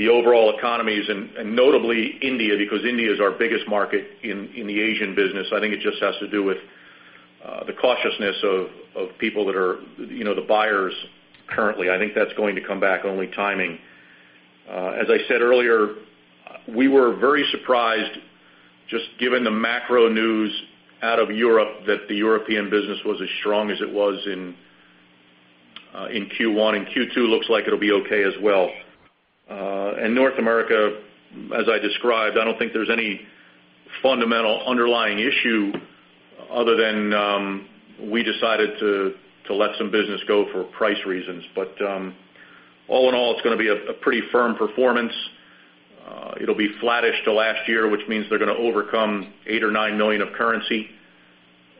overall economies and notably India, because India is our biggest market in the Asian business. I think it just has to do with the cautiousness of people that are the buyers currently. I think that's going to come back, only timing. As I said earlier, we were very surprised, just given the macro news out of Europe, that the European business was as strong as it was in Q1, and Q2 looks like it'll be okay as well. North America, as I described, I don't think there's any fundamental underlying issue other than we decided to let some business go for price reasons. All in all, it's going to be a pretty firm performance. It'll be flattish to last year, which means they're going to overcome $8 million or $9 million of currency.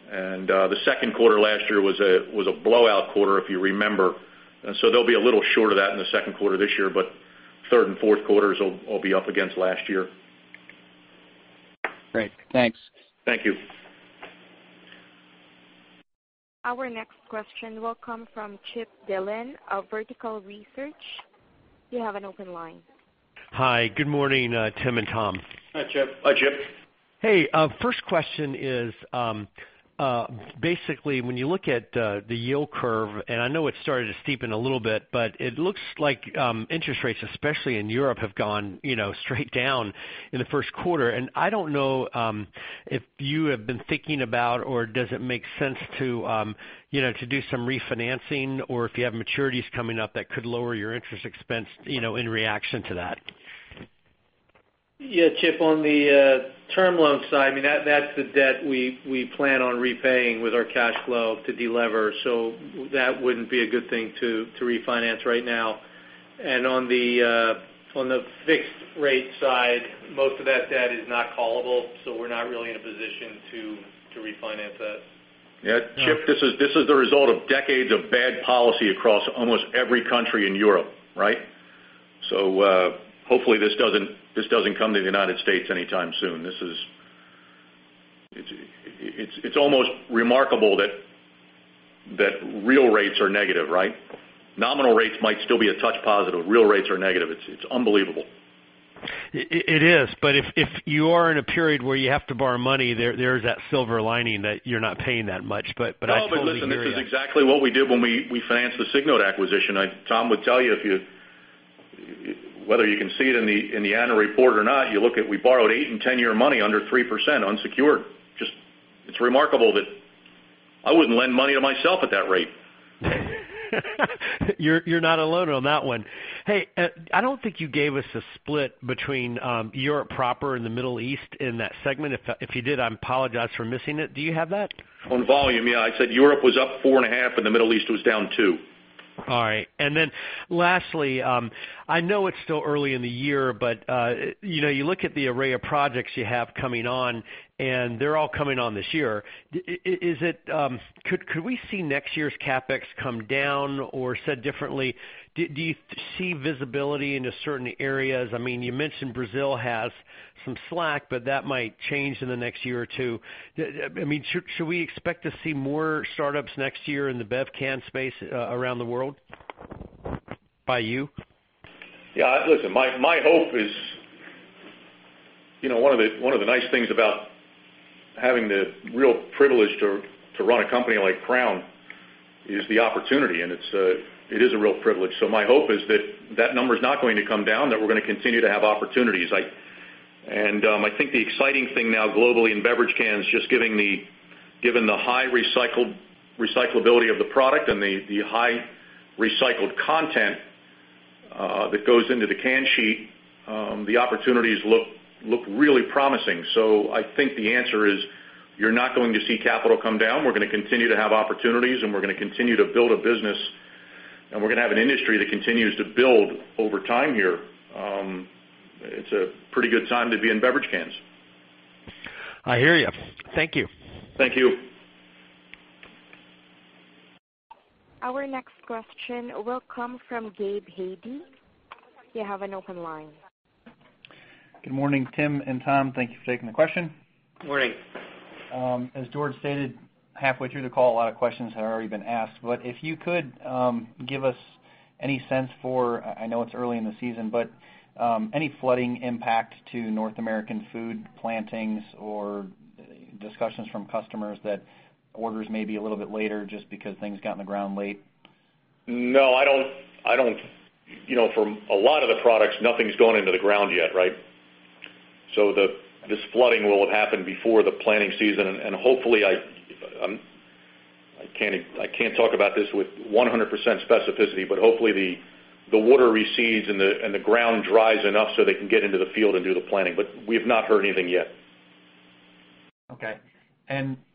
The second quarter last year was a blowout quarter, if you remember. They'll be a little short of that in the second quarter this year, but third and fourth quarters will be up against last year. Great. Thanks. Thank you. Our next question will come from Chip Dillon of Vertical Research. You have an open line. Hi, good morning, Tim and Tom. Hi, Chip. Hi, Chip. Hey, first question is, basically when you look at the yield curve, I know it's started to steepen a little bit, it looks like interest rates, especially in Europe, have gone straight down in the first quarter. I don't know if you have been thinking about, or does it make sense to do some refinancing or if you have maturities coming up that could lower your interest expense, in reaction to that? Yeah. Chip, on the term loan side, that's the debt we plan on repaying with our cash flow to delever. That wouldn't be a good thing to refinance right now. On the fixed rate side, most of that debt is not callable, we're not really in a position to refinance that. Yeah. Chip, this is the result of decades of bad policy across almost every country in Europe, right? Hopefully this doesn't come to the U.S. anytime soon. It's almost remarkable that real rates are negative, right? Nominal rates might still be a touch positive. Real rates are negative. It's unbelievable. It is, if you are in a period where you have to borrow money, there is that silver lining that you're not paying that much, I totally hear you. No, listen, this is exactly what we did when we financed the Signode acquisition. Tom would tell you, whether you can see it in the annual report or not, you look at, we borrowed eight and 10-year money under 3% unsecured. It's remarkable that I wouldn't lend money to myself at that rate. You're not alone on that one. Hey, I don't think you gave us a split between Europe proper and the Middle East in that segment. If you did, I apologize for missing it. Do you have that? On volume, yeah. I said Europe was up four and a half, and the Middle East was down two. All right. Lastly, I know it's still early in the year, but you look at the array of projects you have coming on, and they're all coming on this year. Could we see next year's CapEx come down, or said differently, do you see visibility into certain areas? You mentioned Brazil has some slack, but that might change in the next year or two. Should we expect to see more startups next year in the bev can space around the world by you? Yeah, listen, my hope is, one of the nice things about having the real privilege to run a company like Crown is the opportunity, and it is a real privilege. My hope is that that number's not going to come down, that we're going to continue to have opportunities. I think the exciting thing now globally in beverage cans, just given the high recyclability of the product and the high recycled content that goes into the can sheet, the opportunities look really promising. I think the answer is you're not going to see capital come down. We're going to continue to have opportunities, and we're going to continue to build a business. We're going to have an industry that continues to build over time here. It's a pretty good time to be in beverage cans. I hear you. Thank you. Thank you. Our next question will come from Gabrial Hajde. You have an open line. Good morning, Tim and Tom. Thank you for taking the question. Good morning. As George stated, halfway through the call, a lot of questions have already been asked, but if you could give us any sense for, I know it's early in the season, but any flooding impact to North American food plantings or discussions from customers that orders may be a little bit later just because things got in the ground late? No. From a lot of the products, nothing's gone into the ground yet, right? This flooding will have happened before the planting season, and hopefully, I can't talk about this with 100% specificity, but hopefully the water recedes and the ground dries enough so they can get into the field and do the planting. We have not heard anything yet. Okay.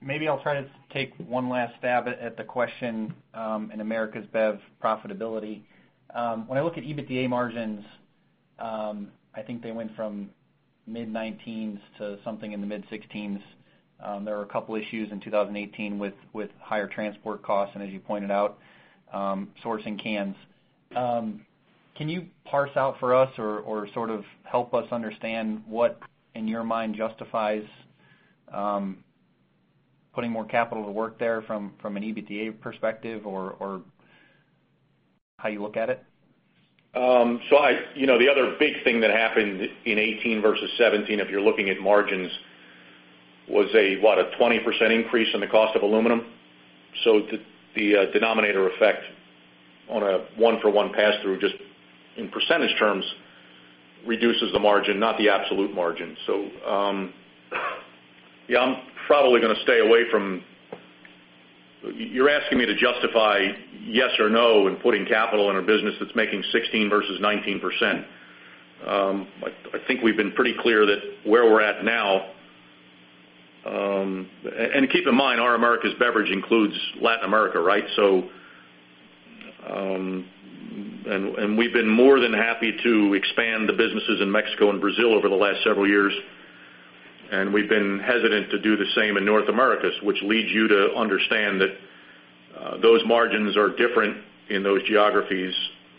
Maybe I'll try to take one last stab at the question in Americas Bev profitability. When I look at EBITDA margins I think they went from mid-19s to something in the mid-16s. There were a couple issues in 2018 with higher transport costs, and as you pointed out, sourcing cans. Can you parse out for us or help us understand what, in your mind, justifies putting more capital to work there from an EBITDA perspective or how you look at it? The other big thing that happened in 2018 versus 2017, if you're looking at margins, was about a 20% increase in the cost of aluminum. The denominator effect on a one-for-one pass-through, just in percentage terms, reduces the margin, not the absolute margin. I'm probably going to stay away from You're asking me to justify yes or no in putting capital in a business that's making 16% versus 19%. I think we've been pretty clear that where we're at now-- and keep in mind, our Americas Beverage includes Latin America, right? We've been more than happy to expand the businesses in Mexico and Brazil over the last several years, and we've been hesitant to do the same in North America, which leads you to understand that those margins are different in those geographies.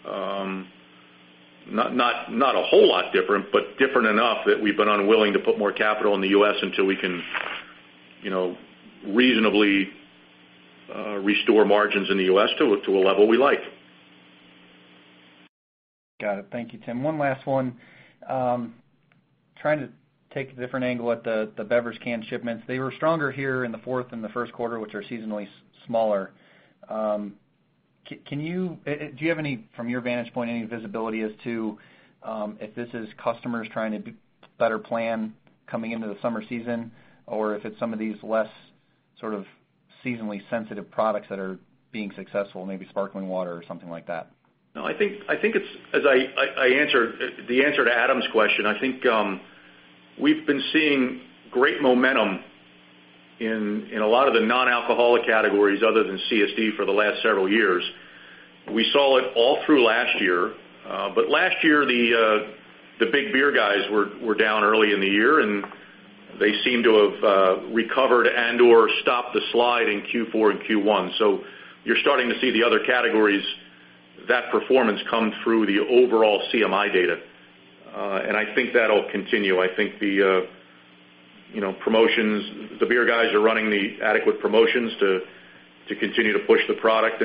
Not a whole lot different enough that we've been unwilling to put more capital in the U.S. until we can reasonably restore margins in the U.S. to a level we like. Got it. Thank you, Tim. One last one. Trying to take a different angle at the beverage can shipments. They were stronger here in the fourth and the first quarter, which are seasonally smaller. Do you have, from your vantage point, any visibility as to if this is customers trying to better plan coming into the summer season, or if it's some of these less sort of seasonally sensitive products that are being successful, maybe sparkling water or something like that? No. As I answered Adam's question, I think we've been seeing great momentum in a lot of the non-alcoholic categories other than CSD for the last several years. We saw it all through last year. Last year, the big beer guys were down early in the year, and they seem to have recovered and/or stopped the slide in Q4 and Q1. You're starting to see the other categories, that performance come through the overall CMI data. I think that'll continue. I think the beer guys are running the adequate promotions to continue to push the product.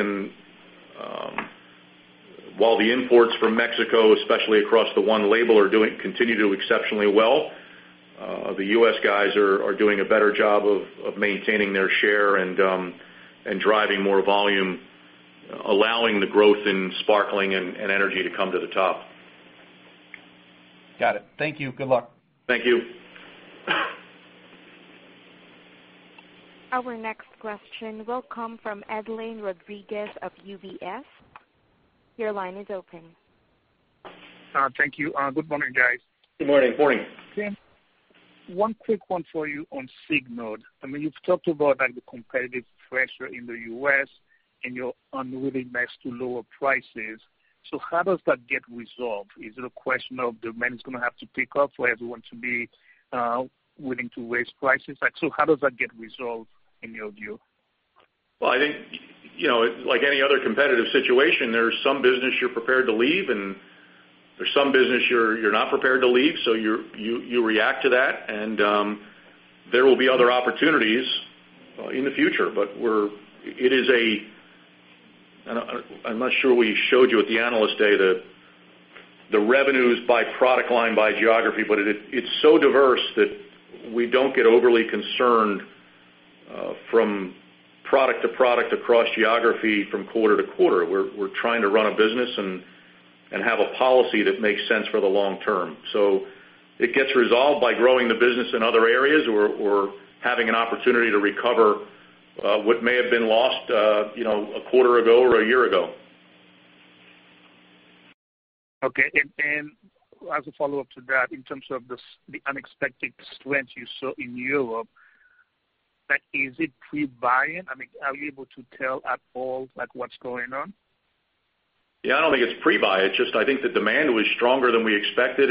While the imports from Mexico, especially across the one label, continue to do exceptionally well, the U.S. guys are doing a better job of maintaining their share and driving more volume, allowing the growth in sparkling and energy to come to the top. Got it. Thank you. Good luck. Thank you. Our next question will come from Edlain Rodriguez of UBS. Your line is open. Thank you. Good morning, guys. Good morning. Morning. Tim, one quick one for you on Signode. You've talked about the competitive pressure in the U.S. and your unwillingness to lower prices. How does that get resolved? Is it a question of demand is going to have to pick up for everyone to be willing to raise prices? How does that get resolved in your view? Well, I think, like any other competitive situation, there's some business you're prepared to leave, and there's some business you're not prepared to leave, so you react to that. There will be other opportunities in the future. I'm not sure we showed you at the Analyst Day the revenues by product line, by geography, but it's so diverse that we don't get overly concerned from product to product across geography from quarter to quarter. We're trying to run a business and have a policy that makes sense for the long term. It gets resolved by growing the business in other areas or having an opportunity to recover what may have been lost a quarter ago or a year ago. Okay. As a follow-up to that, in terms of the unexpected strength you saw in Europe, is it pre-buying? Are you able to tell at all what's going on? Yeah, I don't think it's pre-buy. It's just I think the demand was stronger than we expected.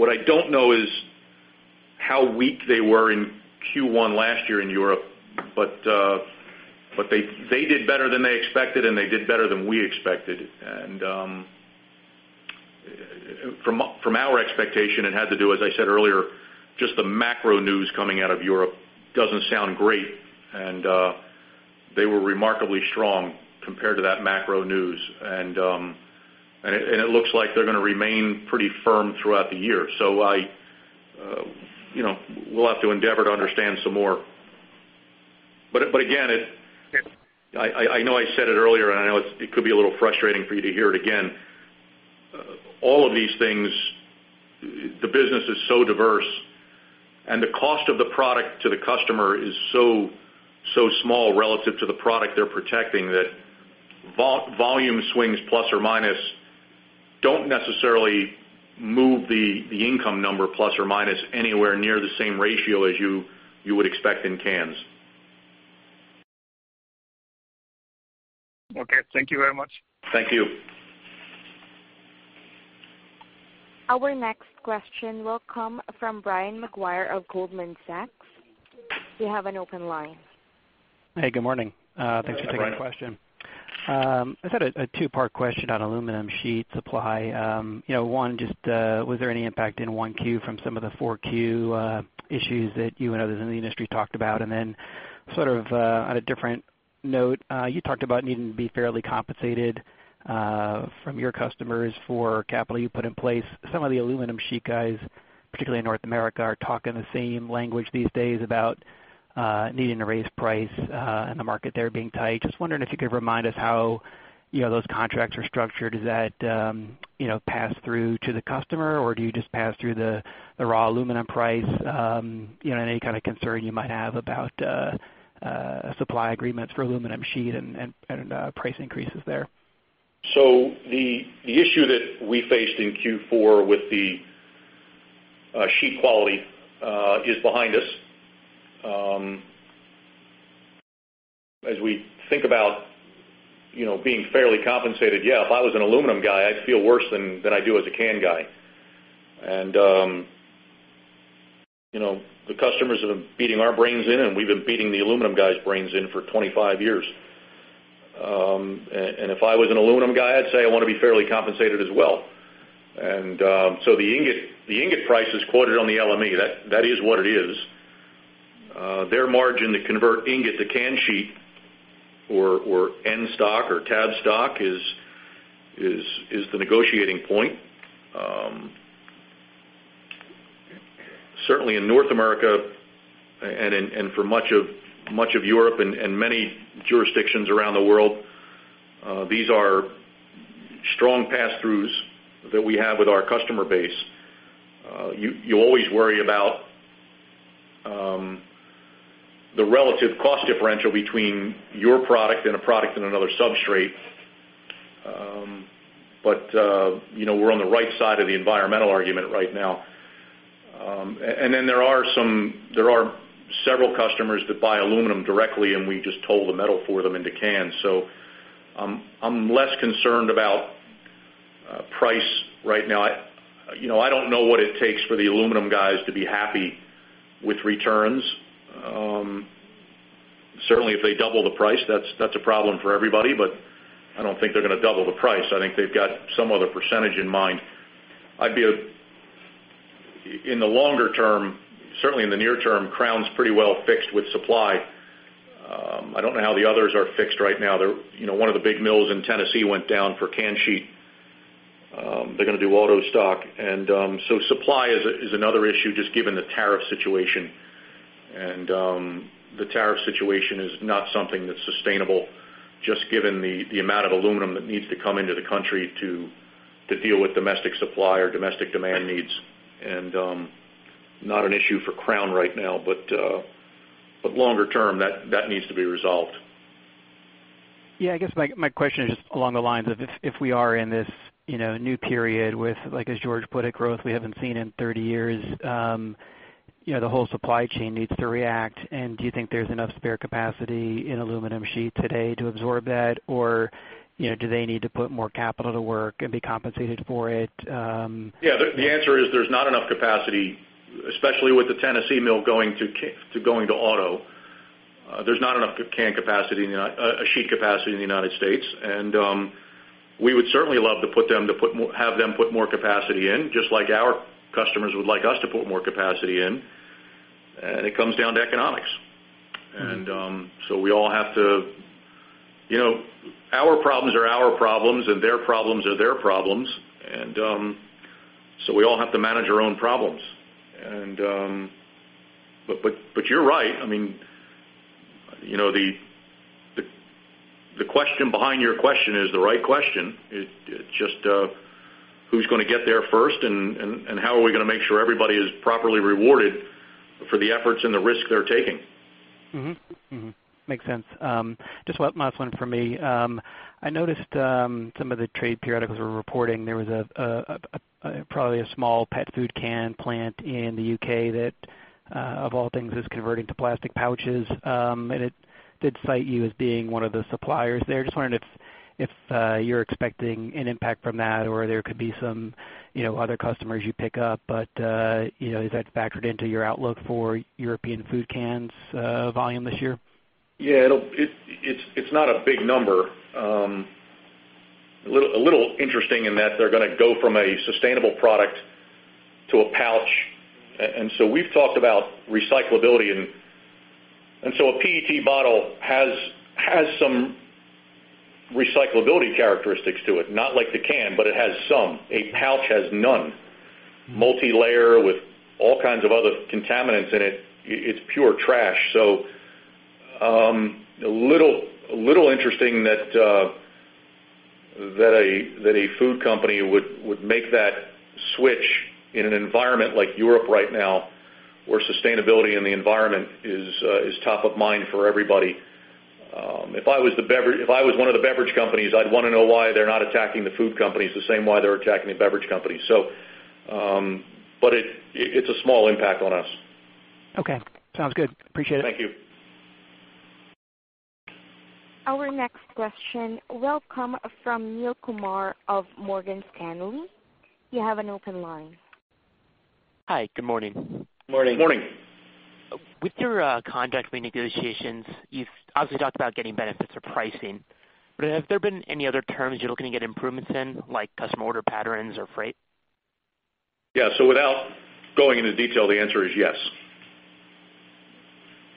What I don't know is how weak they were in Q1 last year in Europe. They did better than they expected, and they did better than we expected. From our expectation, it had to do, as I said earlier, just the macro news coming out of Europe doesn't sound great, and they were remarkably strong compared to that macro news. It looks like they're going to remain pretty firm throughout the year. We'll have to endeavor to understand some more. Again, I know I said it earlier, and I know it could be a little frustrating for you to hear it again. All of these things, the business is so diverse, and the cost of the product to the customer is so small relative to the product they're protecting that volume swings plus or minus don't necessarily move the income number plus or minus anywhere near the same ratio as you would expect in cans. Okay, thank you very much. Thank you. Our next question will come from Brian Maguire of Goldman Sachs. You have an open line. Hey, good morning. Good morning. Thanks for taking the question. I just had a two-part question on aluminum sheet supply. One, just was there any impact in 1Q from some of the 4Q issues that you and others in the industry talked about? On a different note, you talked about needing to be fairly compensated from your customers for capital you put in place. Some of the aluminum sheet guys, particularly in North America, are talking the same language these days about needing to raise price and the market there being tight. Just wondering if you could remind us how those contracts are structured. Is that pass-through to the customer, or do you just pass through the raw aluminum price? Any kind of concern you might have about supply agreements for aluminum sheet and price increases there? The issue that we faced in Q4 with the sheet quality is behind us. As we think about being fairly compensated, yeah, if I was an aluminum guy, I'd feel worse than I do as a can guy. The customers have been beating our brains in, and we've been beating the aluminum guys' brains in for 25 years. If I was an aluminum guy, I'd say I want to be fairly compensated as well. The ingot price is quoted on the LME. That is what it is. Their margin to convert ingot to can sheet or end stock or tab stock is the negotiating point. Certainly in North America and for much of Europe and many jurisdictions around the world, these are strong pass-throughs that we have with our customer base. You always worry about the relative cost differential between your product and a product in another substrate. We're on the right side of the environmental argument right now. There are several customers that buy aluminum directly, and we just toll the metal for them into cans. I'm less concerned about price right now. I don't know what it takes for the aluminum guys to be happy with returns. Certainly, if they double the price, that's a problem for everybody, but I don't think they're going to double the price. I think they've got some other percentage in mind. In the longer term, certainly in the near term, Crown's pretty well fixed with supply. I don't know how the others are fixed right now. One of the big mills in Tennessee went down for can sheet. They're going to do auto stock. Supply is another issue, just given the tariff situation. The tariff situation is not something that's sustainable, just given the amount of aluminum that needs to come into the country to deal with domestic supply or domestic demand needs. Not an issue for Crown right now, but longer term, that needs to be resolved. I guess my question is just along the lines of if we are in this new period with, as George put it, growth we haven't seen in 30 years, the whole supply chain needs to react. Do you think there's enough spare capacity in aluminum sheet today to absorb that? Do they need to put more capital to work and be compensated for it? The answer is there's not enough capacity, especially with the Tennessee mill going to auto. There's not enough sheet capacity in the U.S. We would certainly love to have them put more capacity in, just like our customers would like us to put more capacity in. It comes down to economics. Our problems are our problems, and their problems are their problems. We all have to manage our own problems. You're right. The question behind your question is the right question. It's just who's going to get there first, and how are we going to make sure everybody is properly rewarded for the efforts and the risk they're taking? Makes sense. Just last one from me. I noticed some of the trade periodicals were reporting there was probably a small pet food can plant in the U.K. that, of all things, is converting to plastic pouches. It did cite you as being one of the suppliers there. Just wondering if you're expecting an impact from that, or there could be some other customers you pick up. Is that factored into your outlook for European Food cans volume this year? It's not a big number. A little interesting in that they're going to go from a sustainable product to a pouch. We've talked about recyclability, and so a PET bottle has some recyclability characteristics to it. Not like the can, but it has some. A pouch has none. Multi-layer with all kinds of other contaminants in it. It's pure trash. A little interesting that a food company would make that switch in an environment like Europe right now, where sustainability and the environment is top of mind for everybody. If I was one of the beverage companies, I'd want to know why they're not attacking the food companies the same way they're attacking the beverage companies. It's a small impact on us. Okay. Sounds good. Appreciate it. Thank you. Our next question will come from Neel Kumar of Morgan Stanley. You have an open line. Hi, good morning. Morning. Morning. With your contract negotiations, you've obviously talked about getting benefits or pricing, but have there been any other terms you're looking to get improvements in, like customer order patterns or freight? Yeah. Without going into detail, the answer is yes.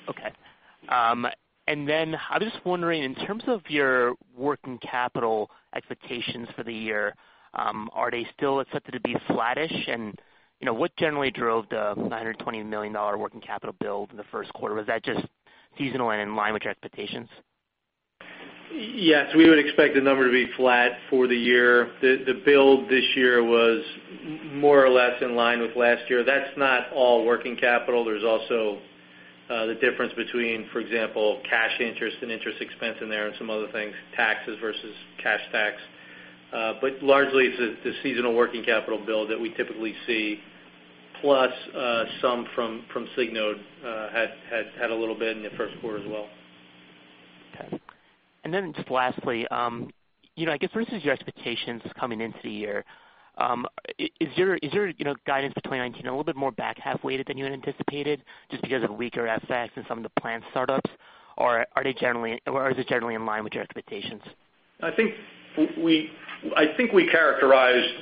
Okay. I'm just wondering, in terms of your working capital expectations for the year, are they still expected to be flattish? What generally drove the $920 million working capital build in the first quarter? Was that just seasonal and in line with your expectations? Yes, we would expect the number to be flat for the year. The build this year was more or less in line with last year. That's not all working capital. There's also the difference between, for example, cash interest and interest expense in there and some other things, taxes versus cash tax. Largely, it's the seasonal working capital build that we typically see, plus some from Signode had a little bit in the first quarter as well. Okay. Then just lastly, I guess versus your expectations coming into the year, is your guidance for 2019 a little bit more back half-weighted than you had anticipated, just because of weaker FX and some of the plant startups, or is it generally in line with your expectations? I think we characterized,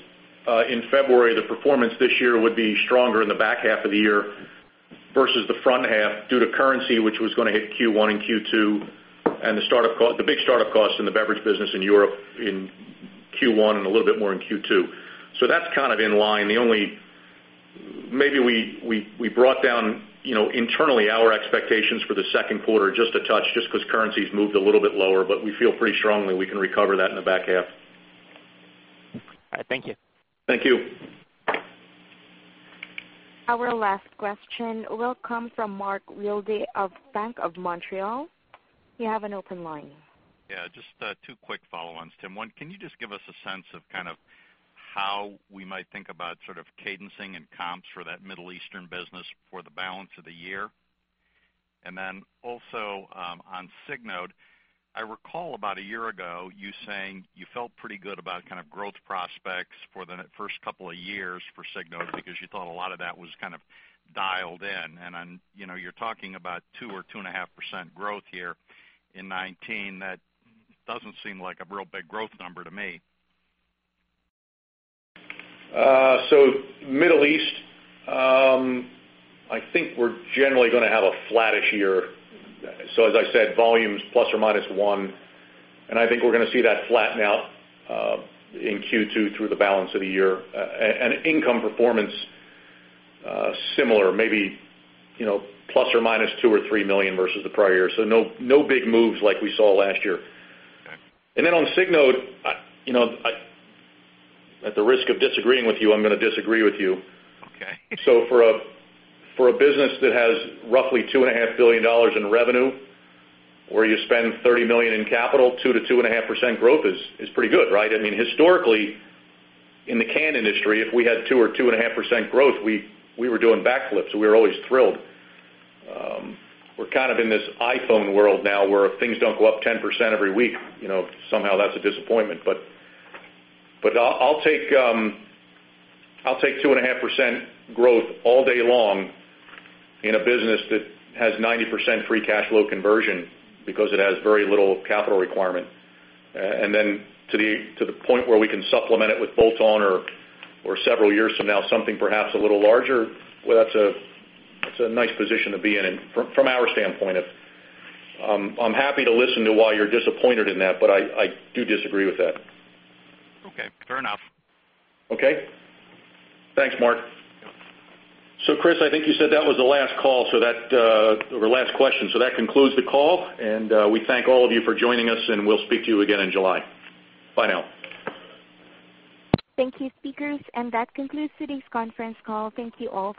in February, the performance this year would be stronger in the back half of the year versus the front half due to currency which was going to hit Q1 and Q2, and the big startup costs in the beverage business in Europe in Q1 and a little bit more in Q2. So that's kind of in line. Maybe we brought down internally our expectations for the second quarter just a touch, just because currency's moved a little bit lower, but we feel pretty strongly we can recover that in the back half. All right. Thank you. Thank you. Our last question will come from Mark Wilde of Bank of Montreal. You have an open line. Yeah, just two quick follow-ons, Tim. One, can you just give us a sense of how we might think about sort of cadencing and comps for that Middle Eastern business for the balance of the year? On Signode, I recall about a year ago you saying you felt pretty good about growth prospects for the first couple of years for Signode because you thought a lot of that was kind of dialed in. You're talking about 2% or 2.5% growth here in 2019. That doesn't seem like a real big growth number to me. Middle East, I think we're generally going to have a flattish year. As I said, volumes ±one, I think we're going to see that flatten out in Q2 through the balance of the year. Income performance, similar, maybe ±$2 million or $3 million versus the prior year. No big moves like we saw last year. Okay. On Signode, at the risk of disagreeing with you, I'm going to disagree with you. Okay. For a business that has roughly $2.5 billion in revenue, where you spend $30 million in capital, 2%-2.5% growth is pretty good, right? Historically, in the can industry, if we had 2% or 2.5% growth, we were doing back flips. We were always thrilled. We're kind of in this iPhone world now where if things don't go up 10% every week, somehow that's a disappointment. I'll take 2.5% growth all day long in a business that has 90% free cash flow conversion because it has very little capital requirement. Then to the point where we can supplement it with bolt-on or several years from now, something perhaps a little larger, well, that's a nice position to be in from our standpoint. I'm happy to listen to why you're disappointed in that, I do disagree with that. Okay, fair enough. Okay. Thanks, Mark. Chris, I think you said that was the last call, or last question. That concludes the call, we thank all of you for joining us, we'll speak to you again in July. Bye now. Thank you, speakers. That concludes today's conference call. Thank you all for joining.